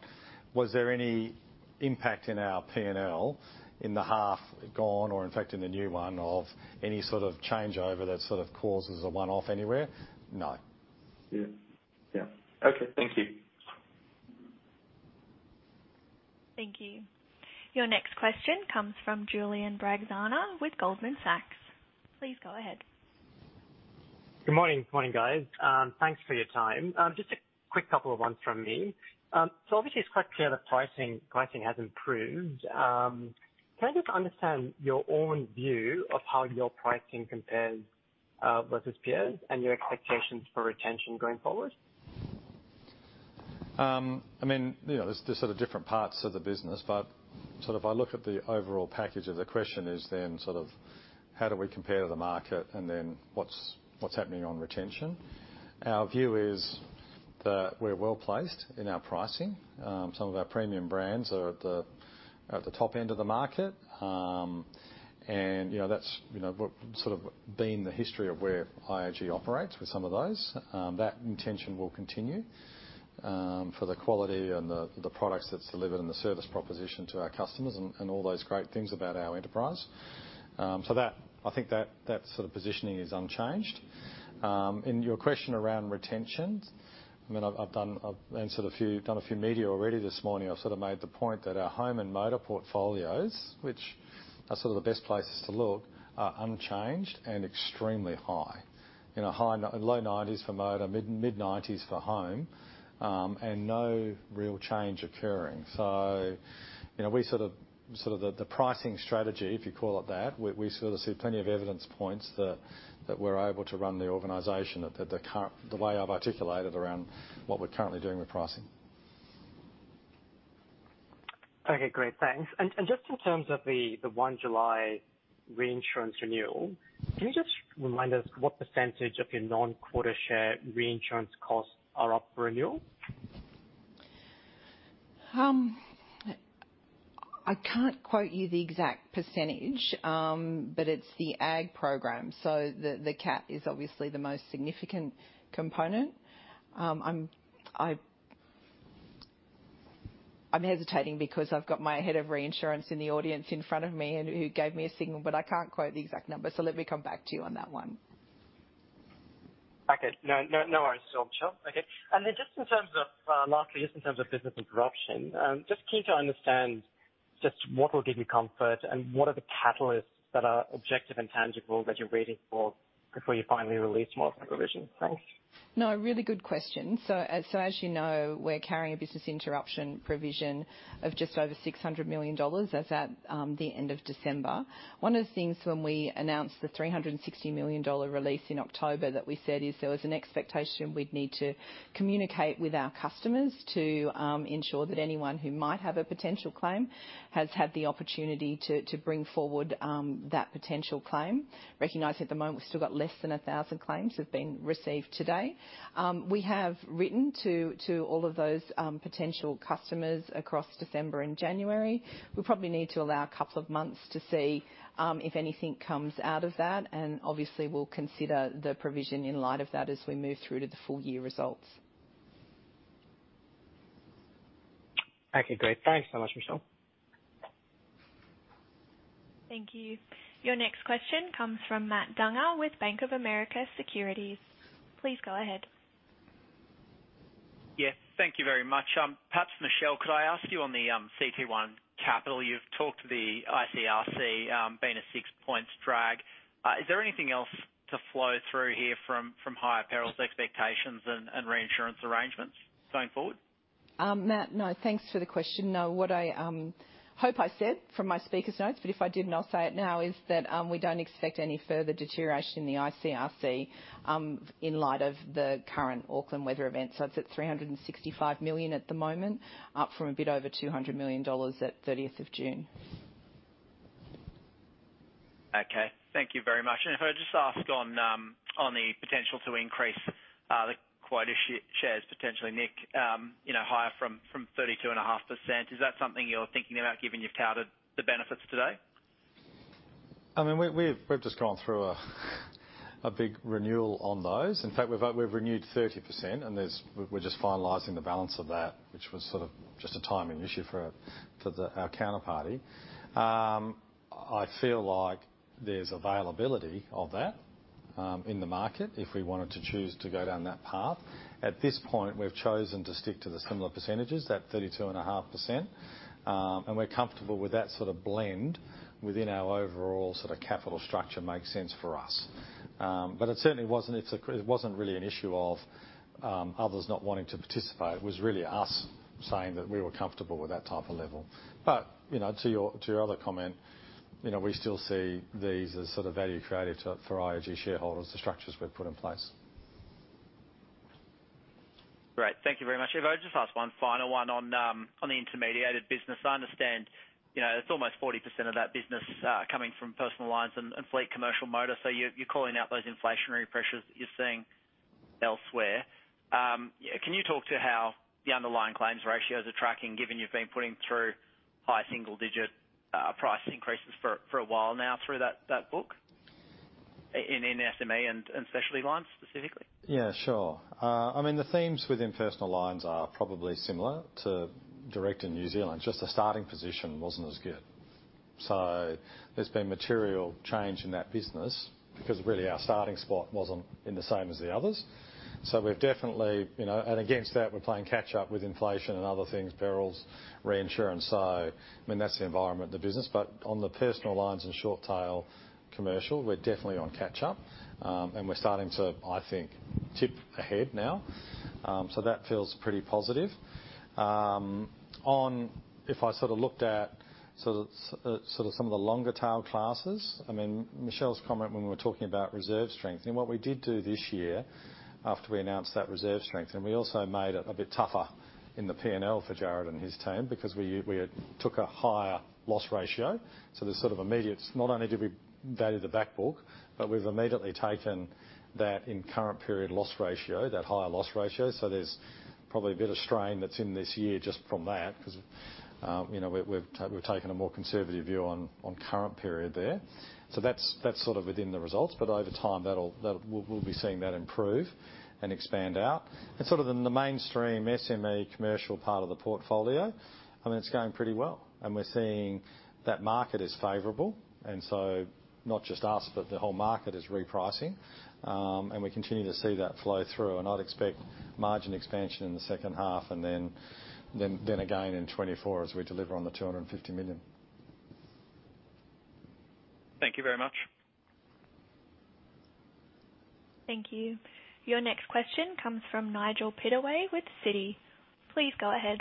[SPEAKER 2] was there any impact in our P&L in the half gone or in fact in the new one of any sort of changeover that sort of causes a one-off anywhere? No.
[SPEAKER 8] Yeah. Yeah. Okay. Thank you.
[SPEAKER 7] Thank you. Your next question comes from Julian Braganza with Goldman Sachs. Please go ahead.
[SPEAKER 9] Good morning. Morning, guys. Thanks for your time. Just a quick couple of ones from me. Obviously it's quite clear the pricing has improved. Can I just understand your own view of how your pricing compares versus peers and your expectations for retention going forward?
[SPEAKER 2] I mean, you know, there's sort of different parts to the business, but sort of I look at the overall package of the question is then sort of how do we compare to the market and then what's happening on retention? Our view is that we're well-placed in our pricing. Some of our premium brands are at the top end of the market. You know, that's, you know, what sort of been the history of where IAG operates with some of those. That intention will continue for the quality and the products that's delivered and the service proposition to our customers and all those great things about our enterprise. That. I think that sort of positioning is unchanged. Your question around retention, I mean, I've answered a few... done a few media already this morning. I've sort of made the point that our home and motor portfolios, which are sort of the best places to look, are unchanged and extremely high. You know, low nineties for motor, mid-nineties for home. No real change occurring. You know, we sort of the pricing strategy, if you call it that, we sort of see plenty of evidence points that we're able to run the organization the way I've articulated around what we're currently doing with pricing.
[SPEAKER 9] Okay. Great. Thanks. Just in terms of the 1 July reinsurance renewal, can you just remind us what % of your non-quota share reinsurance costs are up for renewal?
[SPEAKER 3] I can't quote you the exact percentage. It's the ag program, so the cat is obviously the most significant component. I'm hesitating because I've got my head of reinsurance in the audience in front of me and who gave me a signal, but I can't quote the exact number, so let me come back to you on that one.
[SPEAKER 9] Okay. No, no worries. Sure, Michelle. Okay. Just in terms of, lastly, just in terms of business interruption, just keen to understand just what will give you comfort and what are the catalysts that are objective and tangible that you're waiting for before you finally release more of that provision? Thanks.
[SPEAKER 3] No, a really good question. As you know, we're carrying a business interruption provision of just over 600 million dollars. That's at the end of December. One of the things when we announced the 360 million dollar release in October that we said is there was an expectation we'd need to communicate with our customers to ensure that anyone who might have a potential claim has had the opportunity to bring forward that potential claim. Recognize at the moment we've still got less than 1,000 claims have been received to date. We have written to all of those potential customers across December and January. We probably need to allow a couple of months to see, if anything comes out of that, and obviously we'll consider the provision in light of that as we move through to the full year results.
[SPEAKER 9] Okay, great. Thanks so much, Michelle.
[SPEAKER 7] Thank you. Your next question comes from Matt Dunger with Bank of America Securities. Please go ahead.
[SPEAKER 10] Yes. Thank you very much. Perhaps Michelle, could I ask you on the CET1 capital, you've talked to the ICRC, being a six points drag. Is there anything else to flow through here from higher perils expectations and reinsurance arrangements going forward?
[SPEAKER 3] Matt, no. Thanks for the question. No. What I hope I said from my speaker notes, but if I didn't, I'll say it now, is that we don't expect any further deterioration in the ICRC in light of the current Auckland weather event. It's at $365 million at the moment, up from a bit over $200 million at 30th of June.
[SPEAKER 10] Okay. Thank you very much. If I just ask on the potential to increase the quota shares potentially, Nick, you know, higher from 32.5%, is that something you're thinking about given you've touted the benefits today?
[SPEAKER 2] I mean, we've just gone through a big renewal on those. In fact, we've renewed 30%, and we're just finalizing the balance of that, which was sort of just a timing issue for the, our counterparty. I feel like there's availability of that in the market if we wanted to choose to go down that path. At this point, we've chosen to stick to the similar percentages, that 32.5%, and we're comfortable with that sort of blend within our overall sort of capital structure makes sense for us. It certainly wasn't really an issue of others not wanting to participate. It was really us saying that we were comfortable with that type of level. You know, to your, to your other comment, you know, we still see these as sort of value created to, for IAG shareholders, the structures we've put in place.
[SPEAKER 10] Great. Thank you very much, Ivo. Just last one, final one on the intermediated business. I understand, you know, it's almost 40% of that business, coming from personal loans and fleet commercial motors. You're calling out those inflationary pressures that you're seeing elsewhere. Can you talk to how the underlying claims ratios are tracking, given you've been putting through high single digit price increases for a while now through that book in SME and specialty lines specifically?
[SPEAKER 2] Sure. I mean, the themes within personal loans are probably similar to direct in New Zealand. Just the starting position wasn't as good. There's been material change in that business because really our starting spot wasn't in the same as the others. We've definitely, you know. Against that, we're playing catch up with inflation and other things, barrels, reinsurance. I mean, that's the environment of the business. On the personal loans and short tail commercial, we're definitely on catch up. We're starting to, I think, tip ahead now. That feels pretty positive. If I sort of looked at some of the longer tail classes, I mean, Michelle's comment when we were talking about reserve strength. What we did do this year after we announced that reserve strength, we also made it a bit tougher in the P&L for Jarrod and his team because we took a higher loss ratio. Not only did we value the back book, but we've immediately taken that in current period loss ratio, that higher loss ratio. There's probably a bit of strain that's in this year just from that because, you know, we've taken a more conservative view on current period there. That's sort of within the results. Over time, we'll be seeing that improve and expand out. Sort of in the mainstream SME commercial part of the portfolio, I mean, it's going pretty well, and we're seeing that market is favorable. Not just us, but the whole market is repricing. We continue to see that flow through. I'd expect margin expansion in the second half and then again in 2024 as we deliver on the 250 million.
[SPEAKER 10] Thank you very much.
[SPEAKER 7] Thank you. Your next question comes from Nigel Pittaway with Citi. Please go ahead.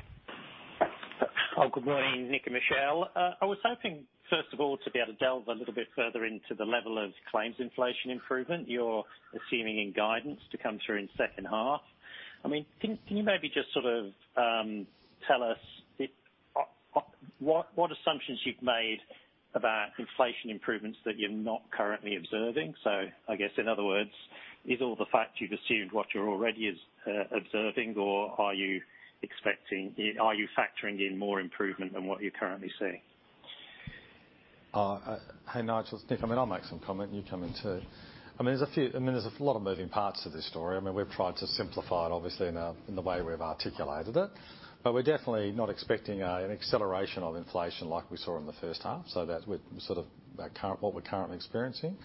[SPEAKER 11] Good morning, Nick and Michelle. I was hoping, first of all, to be able to delve a little bit further into the level of claims inflation improvement you're assuming in guidance to come through in second half. I mean, can you maybe just sort of tell us if what assumptions you've made about inflation improvements that you're not currently observing? I guess in other words, is all the fact you've assumed what you're already is observing, or are you factoring in more improvement than what you're currently seeing?
[SPEAKER 2] Hey, Nigel. Nick, I mean, I'll make some comment, and you come in too. I mean, there's a few... I mean, there's a lot of moving parts to this story. I mean, we've tried to simplify it, obviously in the, in the way we've articulated it. We're definitely not expecting an acceleration of inflation like we saw in the first half, so that we're sort of what we're currently experiencing.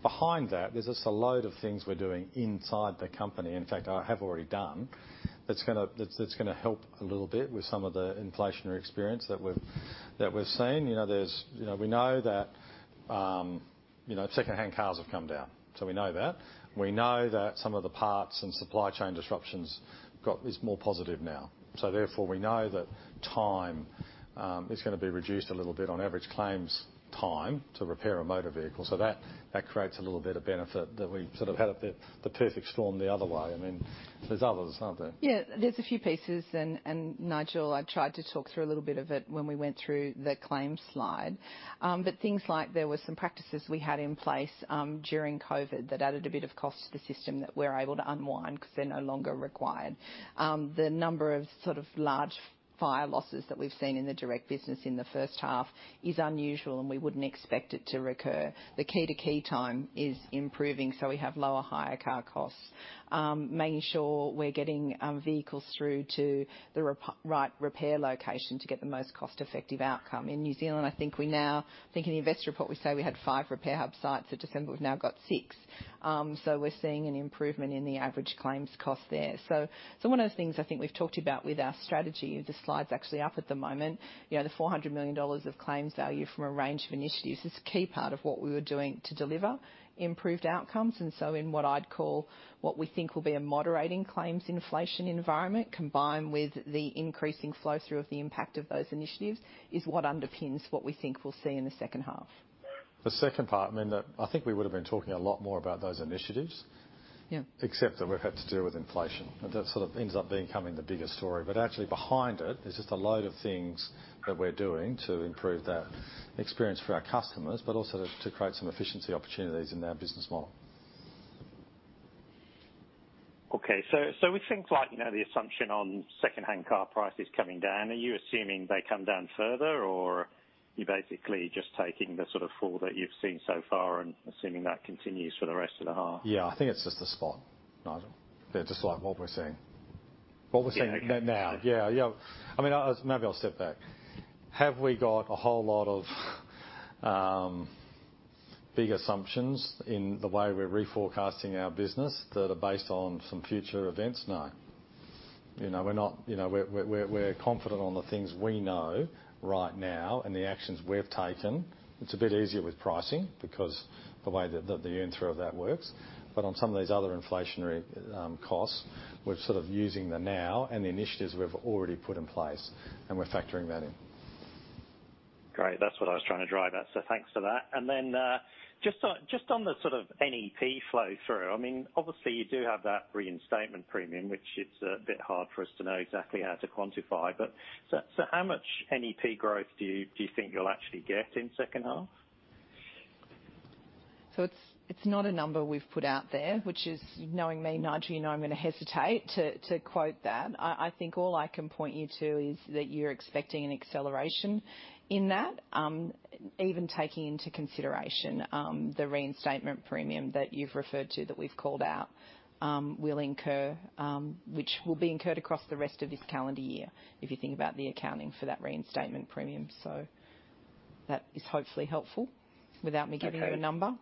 [SPEAKER 2] Behind that, there's just a load of things we're doing inside the company. In fact, I have already done that's gonna help a little bit with some of the inflationary experience that we've, that we've seen. You know, there's... You know, we know that, you know, secondhand cars have come down. We know that some of the parts and supply chain disruptions is more positive now. We know that time is gonna be reduced a little bit on average claims time to repair a motor vehicle. That creates a little bit of benefit that we've sort of had a bit, the perfect storm the other way. I mean, there's others, aren't there?
[SPEAKER 3] Yeah. There's a few pieces. Nigel, I tried to talk through a little bit of it when we went through the claims slide. Things like there were some practices we had in place during COVID that added a bit of cost to the system that we're able to unwind because they're no longer required. The number of sort of large fire losses that we've seen in the direct business in the first half is unusual, and we wouldn't expect it to recur. The key to key time is improving, so we have lower hire car costs. Making sure we're getting vehicles through to the right repair location to get the most cost-effective outcome. In New Zealand, in the investor report, we say we had 5 repair hub sites. At December, we've now got 6. We're seeing an improvement in the average claims cost there. One of the things I think we've talked about with our strategy, the slide's actually up at the moment. You know, the 400 million dollars of claims value from a range of initiatives is a key part of what we were doing to deliver improved outcomes. In what I'd call, what we think will be a moderating claims inflation environment, combined with the increasing flow through of the impact of those initiatives, is what underpins what we think we'll see in the second half.
[SPEAKER 2] The second part, I mean, I think we would have been talking a lot more about those initiatives-
[SPEAKER 3] Yeah ...
[SPEAKER 2] except that we've had to deal with inflation. That sort of ends up becoming the bigger story. Actually behind it is just a load of things that we're doing to improve that experience for our customers, but also to create some efficiency opportunities in our business model.
[SPEAKER 11] Okay. With things like, you know, the assumption on secondhand car prices coming down, are you assuming they come down further, or you're basically just taking the sort of fall that you've seen so far and assuming that continues for the rest of the half?
[SPEAKER 2] Yeah. I think it's just the spot, Nigel. They're just like what we're seeing. What we're seeing now.
[SPEAKER 11] Yeah.
[SPEAKER 2] Yeah. Yeah. I mean, maybe I'll step back. Have we got a whole lot of big assumptions in the way we're reforecasting our business that are based on some future events? No. You know, we're not, you know, we're confident on the things we know right now and the actions we've taken. It's a bit easier with pricing because the way that the earn through of that works. On some of these other inflationary costs, we're sort of using the now and the initiatives we've already put in place, and we're factoring that in.
[SPEAKER 11] Great. That's what I was trying to drive at, so thanks for that. Then, just on the sort of NEP flow through, I mean, obviously, you do have that reinstatement premium, which it's a bit hard for us to know exactly how to quantify, but so, how much NEP growth do you, do you think you'll actually get in second half?
[SPEAKER 3] It's not a number we've put out there, which is knowing me, Nigel, you know I'm going to hesitate to quote that. I think all I can point you to is that you're expecting an acceleration in that, even taking into consideration the reinstatement premium that you've referred to that we've called out, which will be incurred across the rest of this calendar year, if you think about the accounting for that reinstatement premium. That is hopefully helpful without me giving you a number.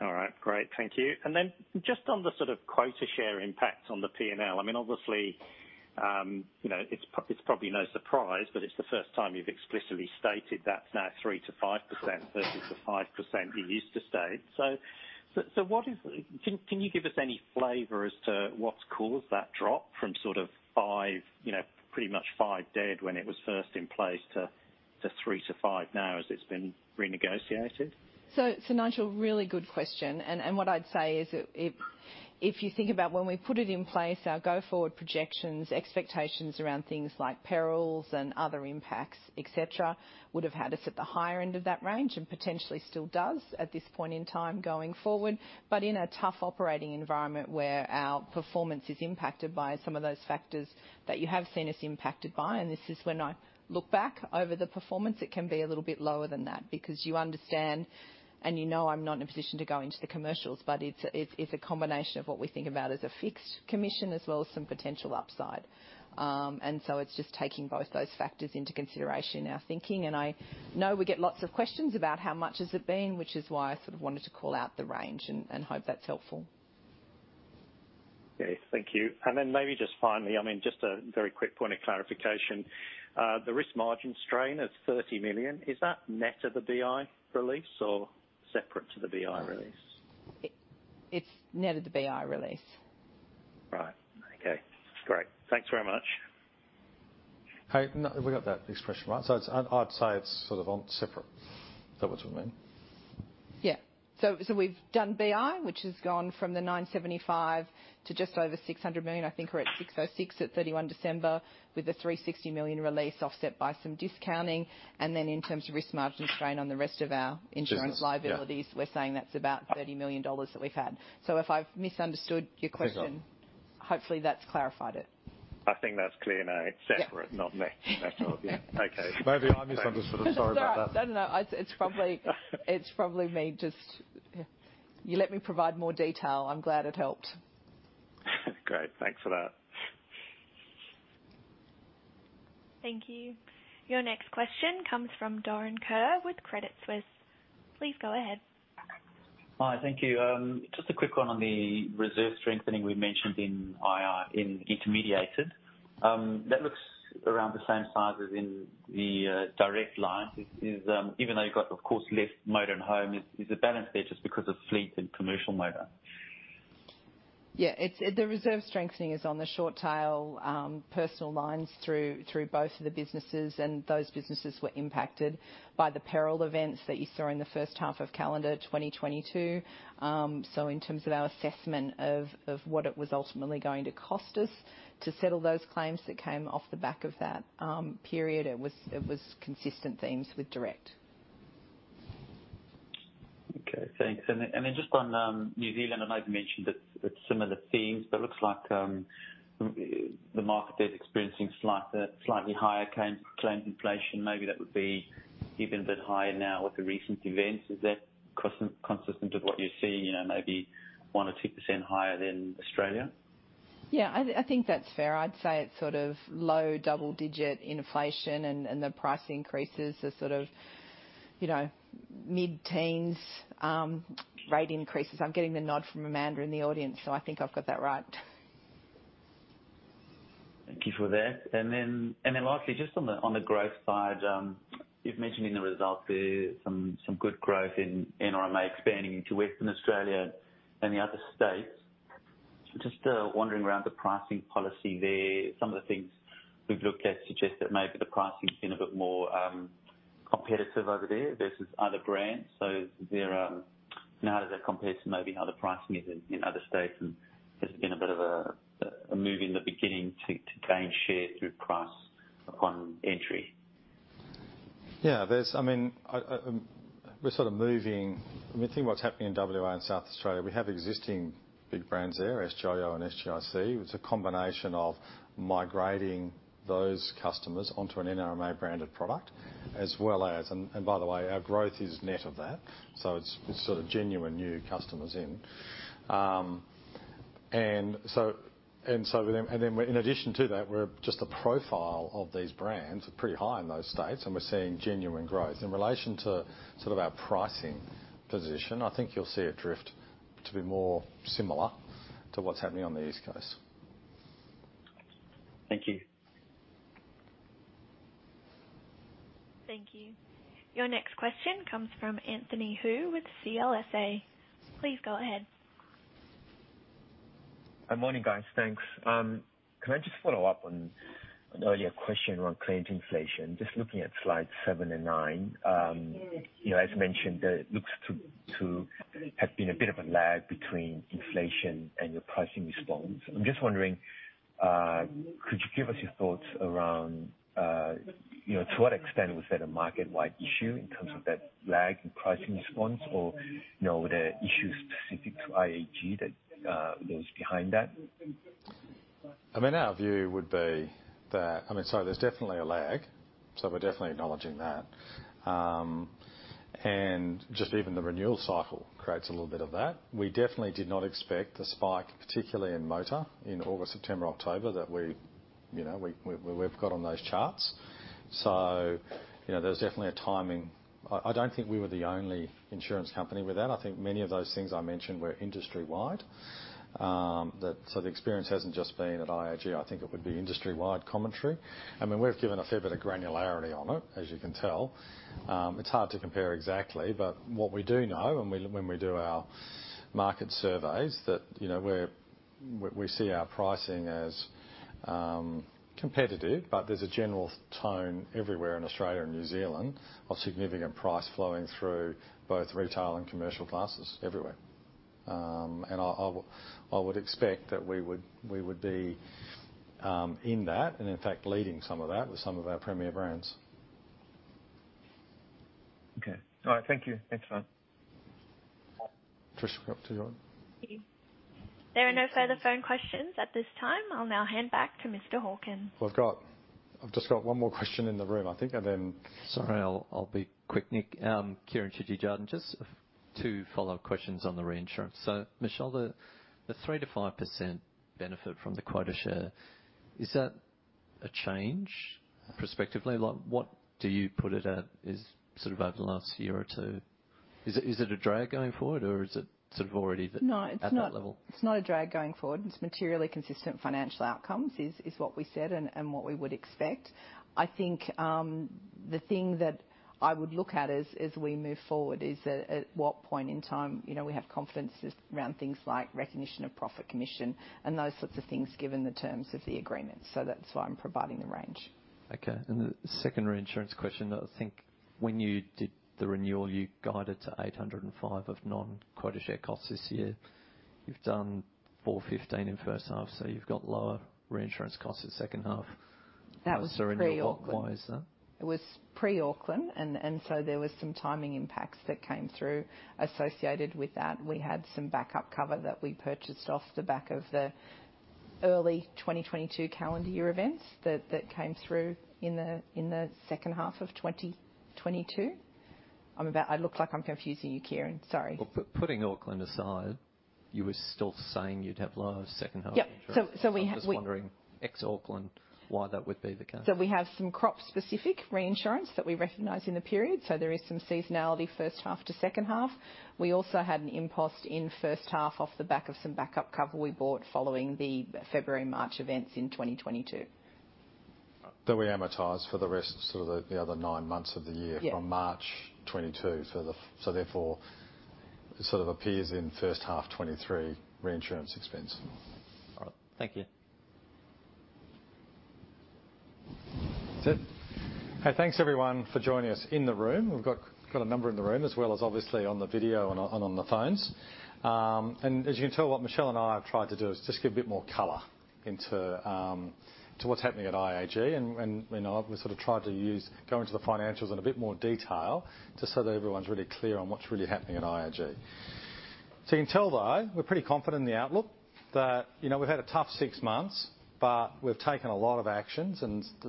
[SPEAKER 11] All right. Great. Thank you. Then just on the sort of quota share impact on the P&L. I mean, obviously, you know, it's probably no surprise, but it's the first time you've explicitly stated that's now 3%-5% versus the 5% you used to state. Can you give us any flavor as to what's caused that drop from sort of five, you know, pretty much five dead when it was first in place to three to five now as it's been renegotiated?
[SPEAKER 3] Nigel, really good question. What I'd say is if you think about when we put it in place, our go-forward projections, expectations around things like perils and other impacts, et cetera, would have had us at the higher end of that range, and potentially still does at this point in time going forward. In a tough operating environment where our performance is impacted by some of those factors that you have seen us impacted by, and this is when I look back over the performance, it can be a little bit lower than that because you understand, and you know I'm not in a position to go into the commercials, but it's a combination of what we think about as a fixed commission as well as some potential upside. It's just taking both those factors into consideration in our thinking. I know we get lots of questions about how much has it been, which is why I sort of wanted to call out the range and hope that's helpful.
[SPEAKER 11] Okay. Thank you. Then maybe just finally, I mean, just a very quick point of clarification. The risk margin strain is $30 million. Is that net of the BI release or separate to the BI release?
[SPEAKER 3] It's net of the BI release.
[SPEAKER 11] Right. Okay. Great. Thanks very much.
[SPEAKER 2] Hey, no, we got that expression right. I'd say it's sort of on separate. Is that what you mean?
[SPEAKER 3] We've done BI, which has gone from 975 million to just over 600 million, I think we're at 606 million at 31 December, with an 360 million release offset by some discounting. In terms of risk margin strain on the rest of our insurance liabilities.
[SPEAKER 2] Business, yeah.
[SPEAKER 3] we're saying that's about 30 million dollars that we've had. If I've misunderstood your question-
[SPEAKER 2] You've got it.
[SPEAKER 3] Hopefully that's clarified it.
[SPEAKER 11] I think that's clear now.
[SPEAKER 3] Yeah.
[SPEAKER 11] It's separate, not net. Net of, yeah. Okay.
[SPEAKER 2] Maybe I misunderstood. Sorry about that.
[SPEAKER 3] No, no. It's probably me just... You let me provide more detail. I'm glad it helped.
[SPEAKER 11] Great. Thanks for that.
[SPEAKER 7] Thank you. Your next question comes from Doron Kur with Credit Suisse. Please go ahead.
[SPEAKER 12] Hi. Thank you. just a quick one on the reserve strengthening we mentioned in IIA in Intermediated. that looks around the same size as in the Direct line. Is, even though you've got, of course, less motor and home, is the balance there just because of fleet and commercial motor?
[SPEAKER 3] Yeah. The reserve strengthening is on the short tail, personal lines through both of the businesses. Those businesses were impacted by the peril events that you saw in the first half of calendar 2022. In terms of our assessment of what it was ultimately going to cost us to settle those claims that came off the back of that period, it was consistent themes with direct.
[SPEAKER 12] Okay. Thanks. Just on New Zealand, I know you've mentioned it's similar themes, but it looks like the market there is experiencing slightly higher claims inflation. Maybe that would be even a bit higher now with the recent events. Is that consistent with what you're seeing, you know, maybe 1 or 2% higher than Australia?
[SPEAKER 3] Yeah, I think that's fair. I'd say it's sort of low double digit inflation and the price increases are sort of, you know, mid-teens, rate increases. I'm getting the nod from Amanda in the audience, so I think I've got that right.
[SPEAKER 12] Thank you for that. Then lastly, just on the growth side, you've mentioned in the results there some good growth in NRMA expanding into Western Australia and the other states. Just wondering around the pricing policy there. Some of the things we've looked at suggest that maybe the pricing's been a bit more competitive over there versus other brands. How does that compare to maybe how the pricing is in other states? Has there been a bit of a move in the beginning to gain share through price upon entry?
[SPEAKER 2] I mean, I, we're sort of moving. I mean, think what's happening in WA and South Australia, we have existing big brands there, SGIO and SGIC. It's a combination of migrating those customers onto an NRMA branded product as well as, and by the way, our growth is net of that, so it's sort of genuine new customers in. In addition to that, we're just the profile of these brands are pretty high in those states, and we're seeing genuine growth. In relation to sort of our pricing position, I think you'll see it drift to be more similar to what's happening on the East Coast.
[SPEAKER 12] Thank you.
[SPEAKER 7] Thank you. Your next question comes from Anthony Hoo with CLSA. Please go ahead.
[SPEAKER 13] Good morning, guys. Thanks. Can I just follow up on an earlier question around claims inflation? Just looking at slides seven and nine, you know, as mentioned, it looks to have been a bit of a lag between inflation and your pricing response. I'm just wondering, could you give us your thoughts around, you know, to what extent was that a market-wide issue in terms of that lag in pricing response or, you know, were there issues specific to IAG that was behind that?
[SPEAKER 2] Our view would be that. There's definitely a lag, so we're definitely acknowledging that. And just even the renewal cycle creates a little bit of that. We definitely did not expect the spike, particularly in motor in August, September, October that we, you know, we've got on those charts. You know, there's definitely a timing. I don't think we were the only insurance company with that. I think many of those things I mentioned were industry wide. The experience hasn't just been at IAG. I think it would be industry wide commentary. We've given a fair bit of granularity on it, as you can tell. It's hard to compare exactly, but what we do know, and when we do our market surveys, that, you know, we see our pricing as competitive, but there's a general tone everywhere in Australia and New Zealand of significant price flowing through both retail and commercial classes everywhere. I would expect that we would be in that, and in fact leading some of that with some of our premier brands.
[SPEAKER 13] Okay. All right. Thank you. Thanks, John.
[SPEAKER 2] Trish, have we got two more?
[SPEAKER 7] There are no further phone questions at this time. I'll now hand back to Mr. Hawkins.
[SPEAKER 2] Well, I've just got one more question in the room, I think, and then-
[SPEAKER 4] Sorry, I'll be quick, Nick. Kieran Chidgey, Jarden. Just two follow-up questions on the reinsurance. Michelle, the 3%-5% benefit from the quota share, is that a change prospectively? Like, what do you put it at is sort of over the last year or two? Is it a drag going forward, or is it sort of already at that level?
[SPEAKER 3] It's not, it's not a drag going forward. It's materially consistent financial outcomes is what we said and what we would expect. I think the thing that I would look at as we move forward is at what point in time, you know, we have confidence around things like recognition of profit commission and those sorts of things, given the terms of the agreement. That's why I'm providing the range.
[SPEAKER 4] Okay. The second reinsurance question, I think when you did the renewal, you guided to 805 of non-quota share costs this year. You've done 415 in first half, so you've got lower reinsurance costs at second half.
[SPEAKER 3] That was pre-Auckland.
[SPEAKER 4] Why is that?
[SPEAKER 3] It was pre-Auckland. There was some timing impacts that came through associated with that. We had some backup cover that we purchased off the back of the early 2022 calendar year events that came through in the second half of 2022. I look like I'm confusing you, Kieren. Sorry.
[SPEAKER 4] Well, putting Auckland aside, you were still saying you'd have lower second half insurance.
[SPEAKER 3] Yeah.
[SPEAKER 4] I'm just wondering, ex-Auckland, why that would be the case?
[SPEAKER 3] We have some crop specific reinsurance that we recognize in the period. There is some seasonality first half to second half. We also had an impost in first half off the back of some backup cover we bought following the February, March events in 2022.
[SPEAKER 2] That we amortize for the rest of sort of the other nine months of the year.
[SPEAKER 3] Yeah.
[SPEAKER 2] From March 2022 it sort of appears in first half 2023 reinsurance expense.
[SPEAKER 4] All right. Thank you.
[SPEAKER 2] That's it. Hey, thanks everyone for joining us in the room. We've got a number in the room as well as obviously on the video and on the phones. As you can tell, what Michelle and I have tried to do is just give a bit more color into what's happening at IAG and, you know, we sort of tried to use going to the financials in a bit more detail just so that everyone's really clear on what's really happening at IAG. You can tell though, we're pretty confident in the outlook that, you know, we've had a tough six months. We've taken a lot of actions. A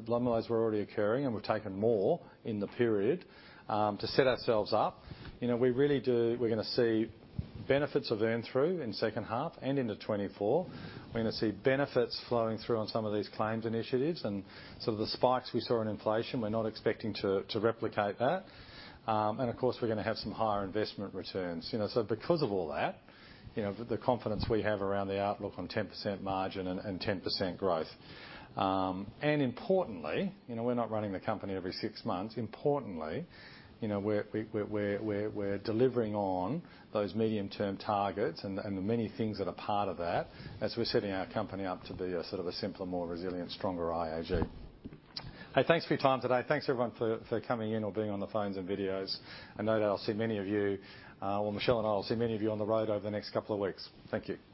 [SPEAKER 2] lot of those were already occurring. We've taken more in the period to set ourselves up. You know, we really do. We're gonna see benefits of earn through in second half and into 2024. We're gonna see benefits flowing through on some of these claims initiatives and sort of the spikes we saw in inflation, we're not expecting to replicate that. Of course, we're gonna have some higher investment returns. You know, because of all that, you know, the confidence we have around the outlook on 10% margin and 10% growth. Importantly, you know, we're not running the company every six months. Importantly, you know, we're delivering on those medium term targets and the many things that are part of that as we're setting our company up to be a sort of a simpler, more resilient, stronger IAG. Hey, thanks for your time today. Thanks everyone for coming in or being on the phones and videos. I know that I'll see many of you, or Michelle and I will see many of you on the road over the next couple of weeks. Thank you.
[SPEAKER 3] Thanks.